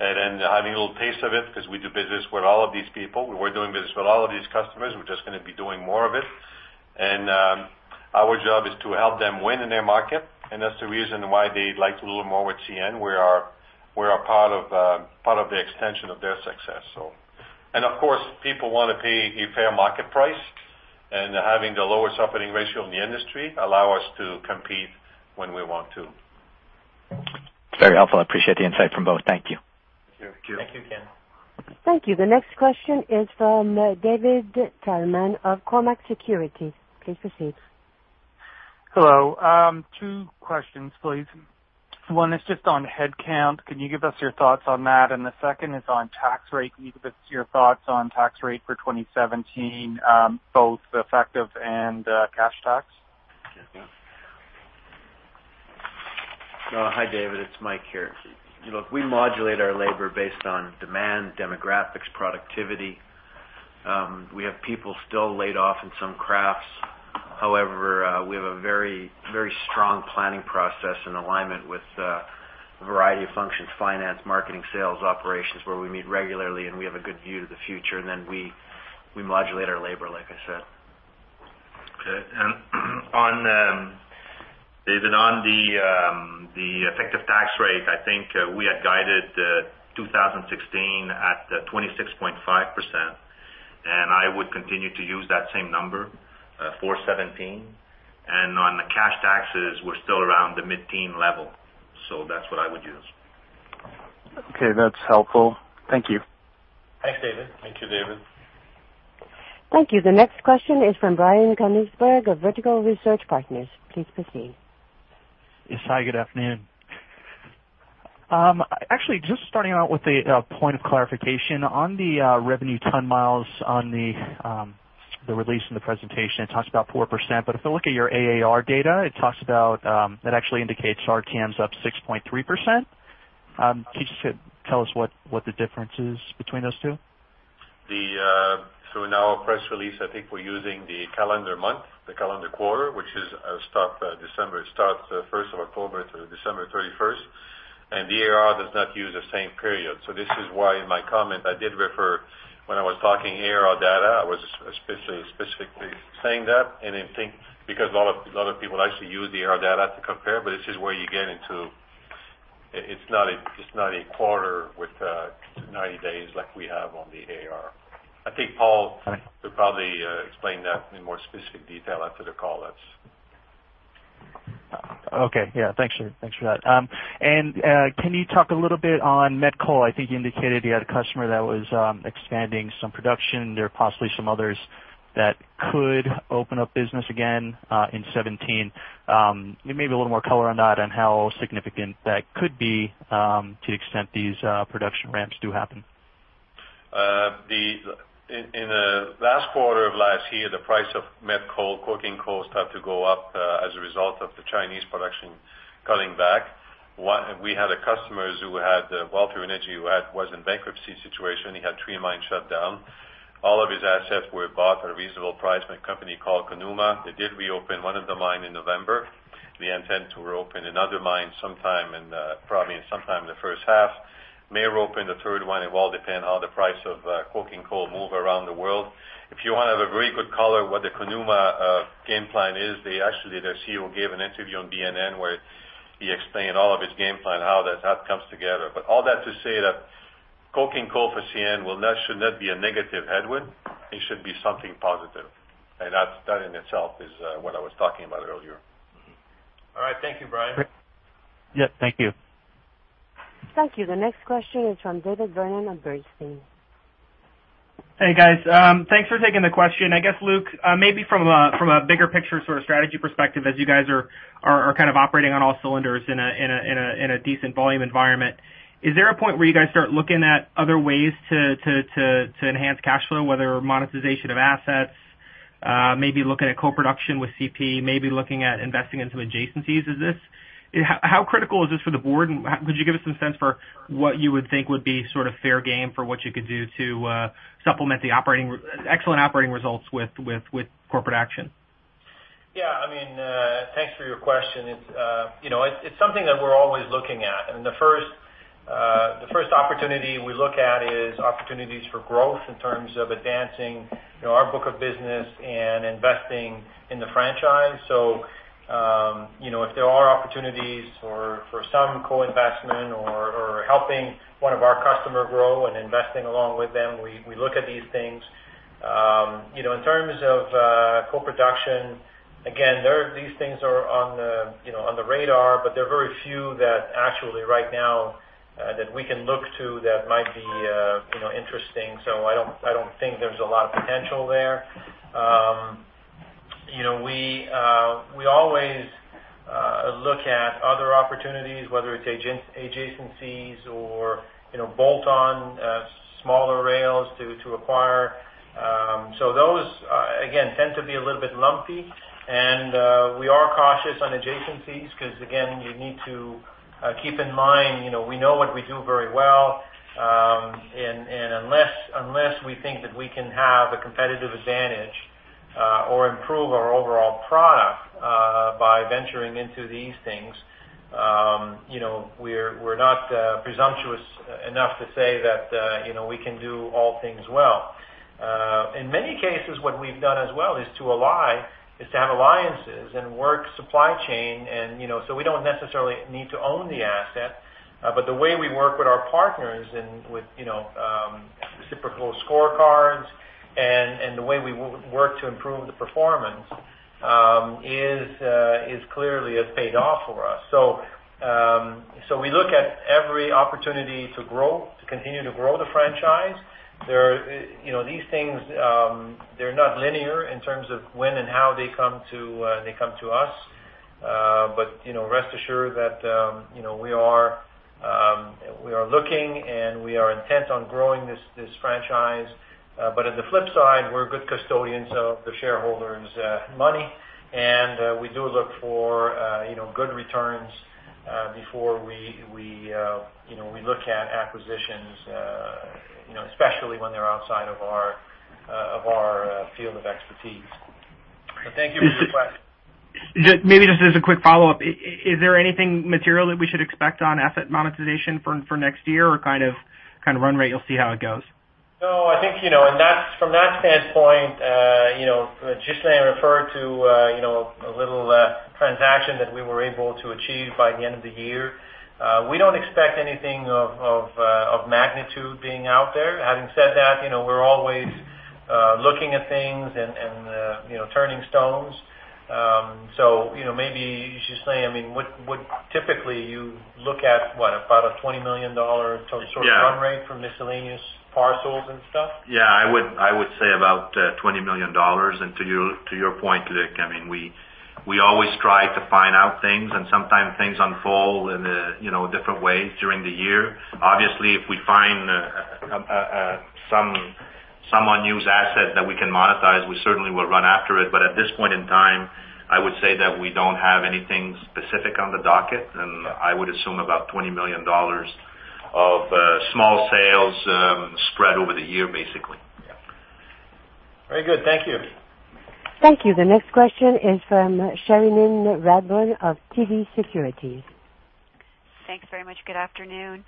and then having a little taste of it, because we do business with all of these people. We're doing business with all of these customers. We're just gonna be doing more of it. Our job is to help them win in their market, and that's the reason why they like a little more with CN. We're a part of, part of the extension of their success, so. Of course, people want to pay a fair market price, and having the lowest operating ratio in the industry allows us to compete when we want to. Very helpful. I appreciate the insight from both. Thank you. Thank you. Thank you, Ken. Thank you. The next question is from David Tyerman of Cormark Securities. Please proceed. Hello. Two questions, please. One is just on headcount. Can you give us your thoughts on that? The second is on tax rate. Can you give us your thoughts on tax rate for 2017, both the effective and cash tax? Okay. Hi, David, it's Mike here. You know, we modulate our labor based on demand, demographics, productivity. We have people still laid off in some crafts. However, we have a very, very strong planning process and alignment with a variety of functions, finance, marketing, sales, operations, where we meet regularly, and we have a good view of the future, and then we modulate our labor, like I said. Okay, and on David, on the effective tax rate, I think we had guided 2016 at 26.5%, and I would continue to use that same number for 2017. On the cash taxes, we're still around the mid-teen level, so that's what I would use. Okay, that's helpful. Thank you. Thanks, David. Thank you, David. Thank you. The next question is from Brian Koenigsberg of Vertical Research Partners. Please proceed. Yes, hi, good afternoon. Actually, just starting out with a point of clarification. On the revenue ton miles on the release in the presentation, it talks about 4%. If I look at your AAR data, it actually indicates our TM's up 6.3%. Can you tell us what the difference is between those two? The, through now our press release, I think we're using the calendar month, the calendar quarter, which is, start, December. It starts the first of October to December thirty-first, and the AAR does not use the same period. This is why in my comment, I did refer when I was talking ARR data, I was specifically saying that, and I think because a lot of, a lot of people actually use the ARR data to compare, but this is where you get into... It, it's not a, it's not a quarter with, 90 days like we have on the ARR. I think Paul could probably explain that in more specific detail after the call. That's- Okay. Yeah. Thanks for, thanks for that. Can you talk a little bit on met coal? I think you indicated you had a customer that was expanding some production. There are possibly some others that could open up business again in 2017. Maybe a little more color on that, on how significant that could be to the extent these production ramps do happen. In the last quarter of last year, the price of met coal, coking coal, started to go up as a result of the Chinese production cutting back. We had a customer, Walter Energy, who was in a bankruptcy situation. He had three mines shut down. All of his assets were bought at a reasonable price by a company called Conuma. They did reopen one of the mines in November. They intend to open another mine sometime in, probably sometime in the first half. May open the third one. It will all depend on the price of coking coal move around the world. If you want to have a very good color what the Conuma game plan is, they actually, their CEO gave an interview on BNN, where he explained all of his game plan, how that comes together. But all that to say that coking coal for CN will not, should not be a negative headwind. It should be something positive. And that in itself is what I was talking about earlier. All right. Thank you, Brian. Yeah. Thank you. Thank you. The next question is from David Vernon at Bernstein. Hey, guys. Thanks for taking the question. I guess, Luke, maybe from a bigger picture sort of strategy perspective, as you guys are kind of operating on all cylinders in a decent volume environment, is there a point where you guys start looking at other ways to enhance cash flow, whether monetization of assets, maybe looking at co-production with CP, maybe looking at investing in some adjacencies? Is this how critical is this for the board, and could you give us some sense for what you would think would be sort of fair game for what you could do to supplement the operating, excellent operating results with corporate action? Thanks for your question. It's, you know, it, it's something that we're always looking at, and the first, the first opportunity we look at is opportunities for growth in terms of advancing, you know, our book of business and investing in the franchise. You know, if there are opportunities for, for some co-investment or, or helping one of our customer grow and investing along with them, we, we look at these things. You know, in terms of, co-production, again, there, these things are on the, you know, on the radar, but there are very few that actually right now, that we can look to that might be, you know, interesting. I don't, I don't think there's a lot of potential there. You know, we always look at other opportunities, whether it's adjacencies or, you know, bolt-on smaller rails to acquire. So those again tend to be a little bit lumpy, and we are cautious on adjacencies because again, you need to keep in mind, you know, we know what we do very well, and unless we think that we can have a competitive advantage or improve our overall product by venturing into these things, you know, we're not presumptuous enough to say that, you know, we can do all things well. In many cases, what we've done as well is to ally, is to have alliances and work supply chain, and, you know, so we don't necessarily need to own the asset, but the way we work with our partners and with, you know, reciprocal scorecards and, and the way we work to improve the performance, is, is clearly has paid off for us.e look at every opportunity to grow, to continue to grow the franchise. There are, you know, these things, they're not linear in terms of when and how they come to, they come to us. But, you know, rest assured that, you know, we are, we are looking, and we are intent on growing this, this franchise. On the flip side, we're good custodians of the shareholders' money, and we do look for, you know, good returns before we, you know, we look at acquisitions, you know, especially when they're outside of our field of expertise. But thank you for the question. Just maybe just as a quick follow-up. Is there anything material that we should expect on asset monetization for, for next year or kind of, kind of run rate, you'll see how it goes? No, I think, you know, and that's, from that standpoint, you know, Ghislaine referred to, you know, a little transaction that we were able to achieve by the end of the year. We don't expect anything of magnitude being out there. Having said that, you know, we're always looking at things and, you know, turning stones.ou know, maybe, Ghislaine, I mean, would typically you look at, what? About a 20 million dollar sort of run rate for miscellaneous parcels and stuff? I would, I would say about 20 million dollars. And to your, to your point, Luke, I mean, we, we always try to find out things, and sometimes things unfold in a, you know, different ways during the year. Obviously, if we find some unused asset that we can monetize, we certainly will run after it. But at this point in time, I would say that we don't have anything specific on the docket, and I would assume about 20 million dollars of small sales spread over the year, basically. Very good. Thank you. Thank you. The next question is from Cherilyn Radbourne of TD Securities. Thanks very much. Good afternoon.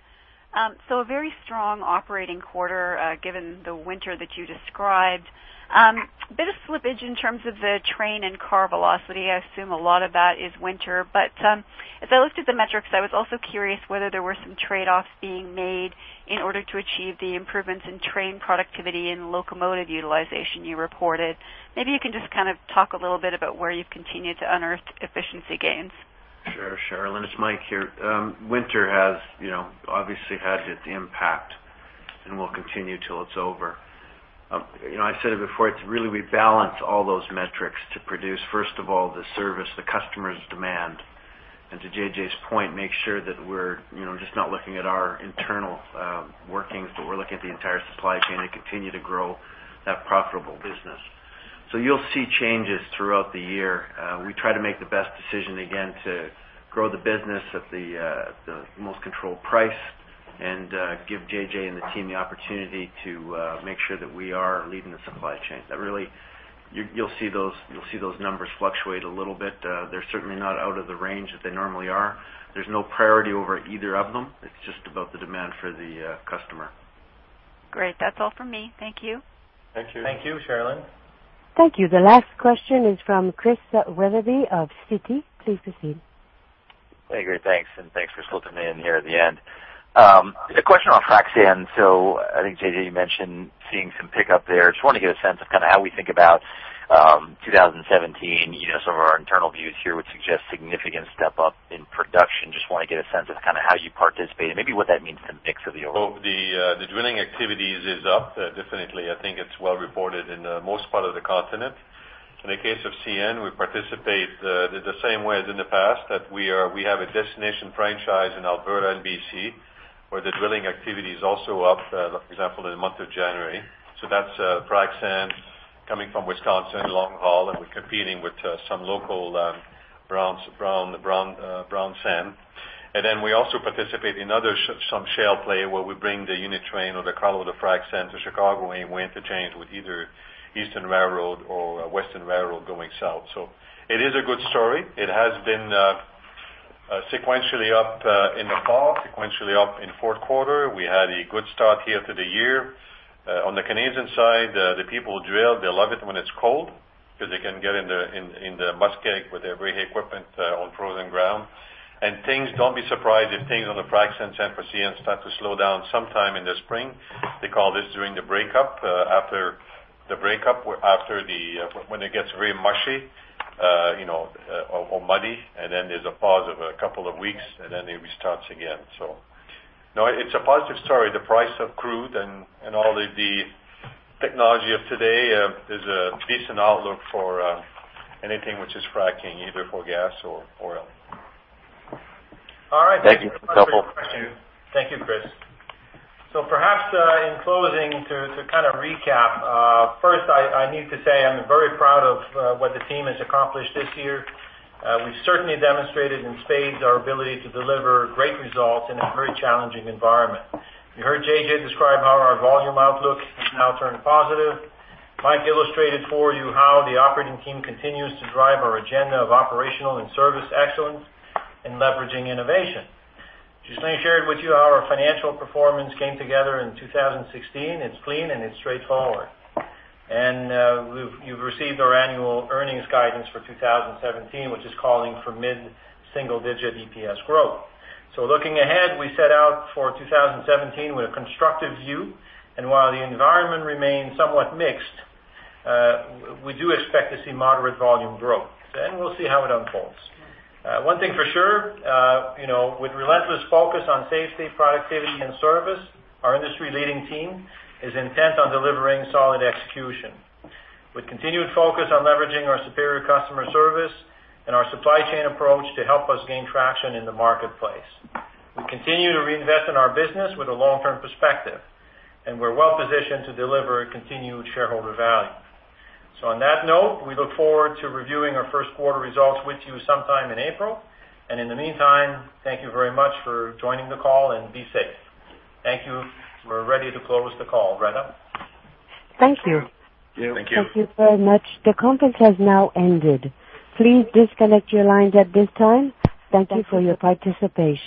A very strong operating quarter, given the winter that you described. A bit of slippage in terms of the train and car velocity. I assume a lot of that is winter, but, as I looked at the metrics, I was also curious whether there were some trade-offs being made in order to achieve the improvements in train productivity and locomotive utilization you reported. Maybe you can just kind of talk a little bit about where you've continued to unearth efficiency gains. Sure, Cherilyn, it's Mike here. Winter has, you know, obviously had its impact and will continue till it's over. You know, I said it before, it's really, we balance all those metrics to produce, first of all, the service the customers demand. And to JJ's point, make sure that we're, you know, just not looking at our internal workings, but we're looking at the entire supply chain and continue to grow that profitable business. So you'll see changes throughout the year. We try to make the best decision again, to grow the business at the most controlled price and give JJ and the team the opportunity to make sure that we are leading the supply chain. That really, you'll see those numbers fluctuate a little bit. They're certainly not out of the range that they normally are. There's no priority over either of them. It's just about the demand for the customer. Great. That's all for me. Thank you. Thank you. Thank you, Cherilyn. Thank you. The last question is from Chris Wetherbee of Citi. Please proceed. Hey, great, thanks, and thanks for slipping me in here at the end. A question on frac sand. So I think, JJ, you mentioned seeing some pickup there. Just want to get a sense of kinda how we think about 2017. You know, some of our internal views here would suggest significant step up in production. Just wanna get a sense of kinda how you participate and maybe what that means to the mix of the order. The drilling activities is up definitely. I think it's well reported in most part of the continent. In the case of CN, we participate the same way as in the past, that we are we have a destination franchise in Alberta and BC, where the drilling activity is also up for example, in the month of January. That's frac sand coming from Wisconsin, long haul, and we're competing with some local brown sand. We also participate in other some shale play, where we bring the unit train or the cargo of the frac sand to Chicago, and we interchange with either Eastern Railroad or Western Railroad going south. So it is a good story. It has been sequentially up in the fall, sequentially up in Q4. We had a good start here to the year. On the Canadian side, the people drill, they love it when it's cold because they can get in the, in, in the muskeg with their heavy equipment, on frozen ground. And things, don't be surprised if things on the frac sand sand for CN start to slow down sometime in the spring. They call this during the break up, after the break up, after the, when it gets very mushy, you know, or, or muddy, and then there's a pause of a couple of weeks, and then it restarts again. So no, it's a positive story. The price of crude and, and all of the technology of today, is a decent outlook for, anything which is fracking, either for gas or oil. All right. Thank you. Thank you, Chris. Perhaps, in closing, to kind of recap, first, I need to say I'm very proud of what the team has accomplished this year. We've certainly demonstrated in spades our ability to deliver great results in a very challenging environment. You heard JJ describe how our volume outlook has now turned positive. Mike illustrated for you how the operating team continues to drive our agenda of operational and service excellence in leveraging innovation. Jocelyn shared with you how our financial performance came together in 2016. It's clean, and it's straightforward. You've received our annual earnings guidance for 2017, which is calling for mid-single-digit EPS growth. Looking ahead, we set out for 2017 with a constructive view, and while the environment remains somewhat mixed, we do expect to see moderate volume growth, and we'll see how it unfolds. One thing for sure, you know, with relentless focus on safety, productivity, and service, our industry leading team is intent on delivering solid execution, with continued focus on leveraging our superior customer service and our supply chain approach to help us gain traction in the marketplace. We continue to reinvest in our business with a long-term perspective, and we're well positioned to deliver continued shareholder value. On that note, we look forward to reviewing our Q1 results with you sometime in April. In the meantime, thank you very much for joining the call, and be safe. Thank you. We're ready to close the call. Rena? Thank you. Thank you. Thank you. Thank you very much. The conference has now ended. Please disconnect your lines at this time. Thank you for your participation.